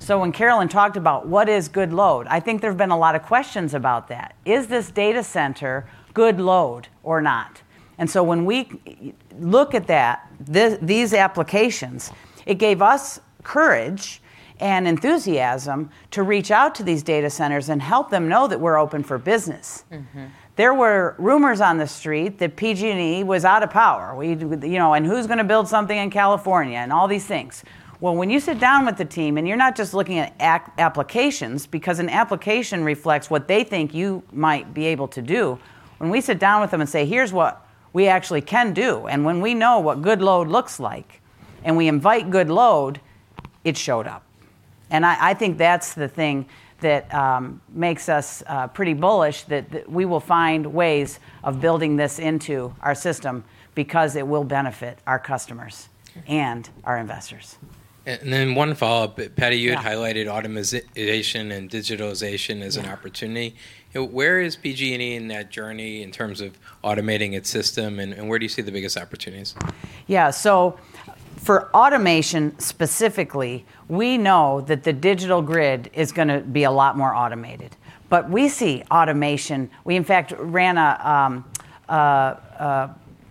So when Carolyn talked about what is good load, I think there have been a lot of questions about that. Is this data center good load or not? And so when we look at that, these applications, it gave us courage and enthusiasm to reach out to these data centers and help them know that we're open for business. There were rumors on the street that PG&E was out of power and who's going to build something in California and all these things. Well, when you sit down with the team and you're not just looking at applications because an application reflects what they think you might be able to do. When we sit down with them and say here's what we actually can do, and when we know what good load looks like and we invite good load, it showed up. And I think that's, that's the thing that makes us pretty bullish, that we will find ways of building this into our system because it will benefit our customers and our investors. One follow up, Patti, you had highlighted automation and digitalization as an opportunity. Where is PG&E in that journey in terms of automating its system? And where do you see the biggest opportunities? Yeah. So for automation specifically, we know that the digital grid is going to be a lot more automated, but we see automation. We in fact ran a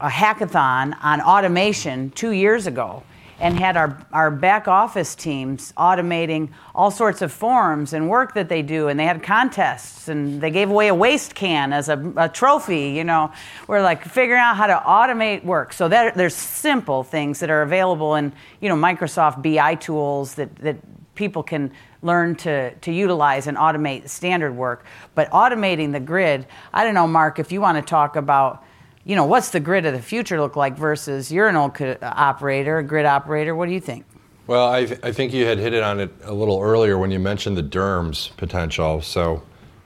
hackathon on automation two years ago and had our back office teams automating all sorts of forms and work that they do, and they had contests and they gave away a waste can as a trophy. We're like figuring out how to automate work. So there's simple things that are available in Microsoft BI tools that people can learn to utilize and automate standard work. But automating the grid, I don't know. Mark, if you want to talk about what's the grid of the future look like versus manual operator. Grid operator, what do you think? Well, I think you had hit it on it a little earlier when you mentioned the DERMS potential. So,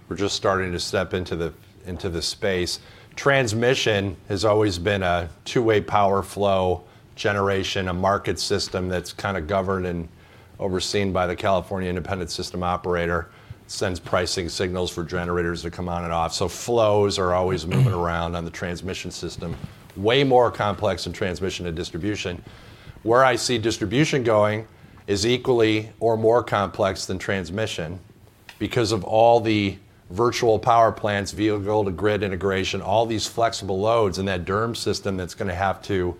we're just starting to step into the space. Transmission has always been a two-way power flow generation. A market system that's kind of governed and overseen by the California Independent System Operator sends pricing signals for generators to come on and off. So flows are always moving around on the transmission system. Way more complex than transmission. And distribution, where I see distribution going, is equally or more complex than transmission because of all the virtual power plants, Vvehicle-to-grid integration, all these flexible loads and that DERMS system that's going to have to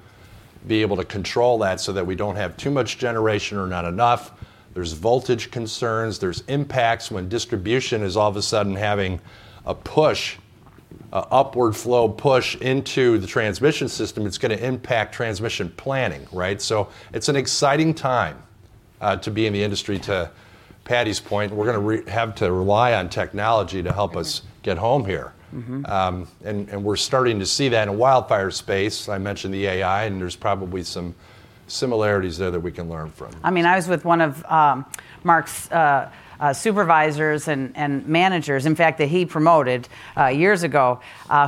be able to control that so that we don't have too much generation or not enough. There's voltage concerns, there's impacts. When distribution is all of a sudden having a push, upward flow push into the transmission system, it's going to impact transmission planning. Right. So it's an exciting time to be in the industry. To Patti's point, we're going to have to rely on technology to help us get home here. And we're starting to see that in wildfire space. I mentioned the AI, and there's probably some similarities there that we can learn from. I mean I was with one of Mark's supervisors and managers in fact that he promoted years ago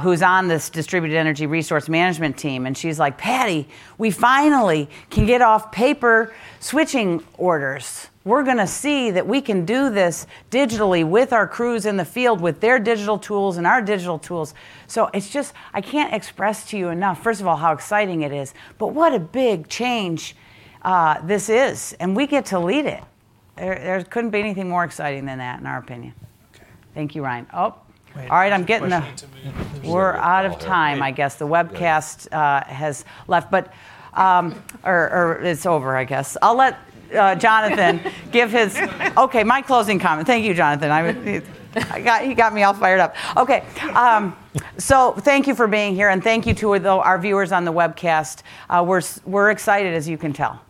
who's on this distributed energy resource management team and she's like Patti, we finally can get off paper switching orders. We're going to see that we can do this digitally with our crews in the field with their digital tools and our digital tools. So it's just I can't express to you enough first of all how exciting it is, but what a big change this is and we get to lead it. There couldn't be anything more exciting than that in our opinion. Thank you, Ryan. Oh, all right. I'm getting the. We're out of time. I guess the webcast has left, but it's over. I guess I'll let Jonathan give his. Okay, my closing comment. Thank you, Jonathan. He got me all fired up. Okay. Thank you for being here and thank you to our viewers on the webcast. We're excited, as you can tell.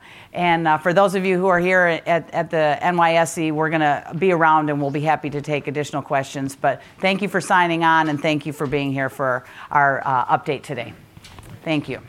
For those of you who are here at the NYSE, we're going to be around and we'll be happy to take additional questions. Thank you for signing on and thank you for being here for our update today. Thank you.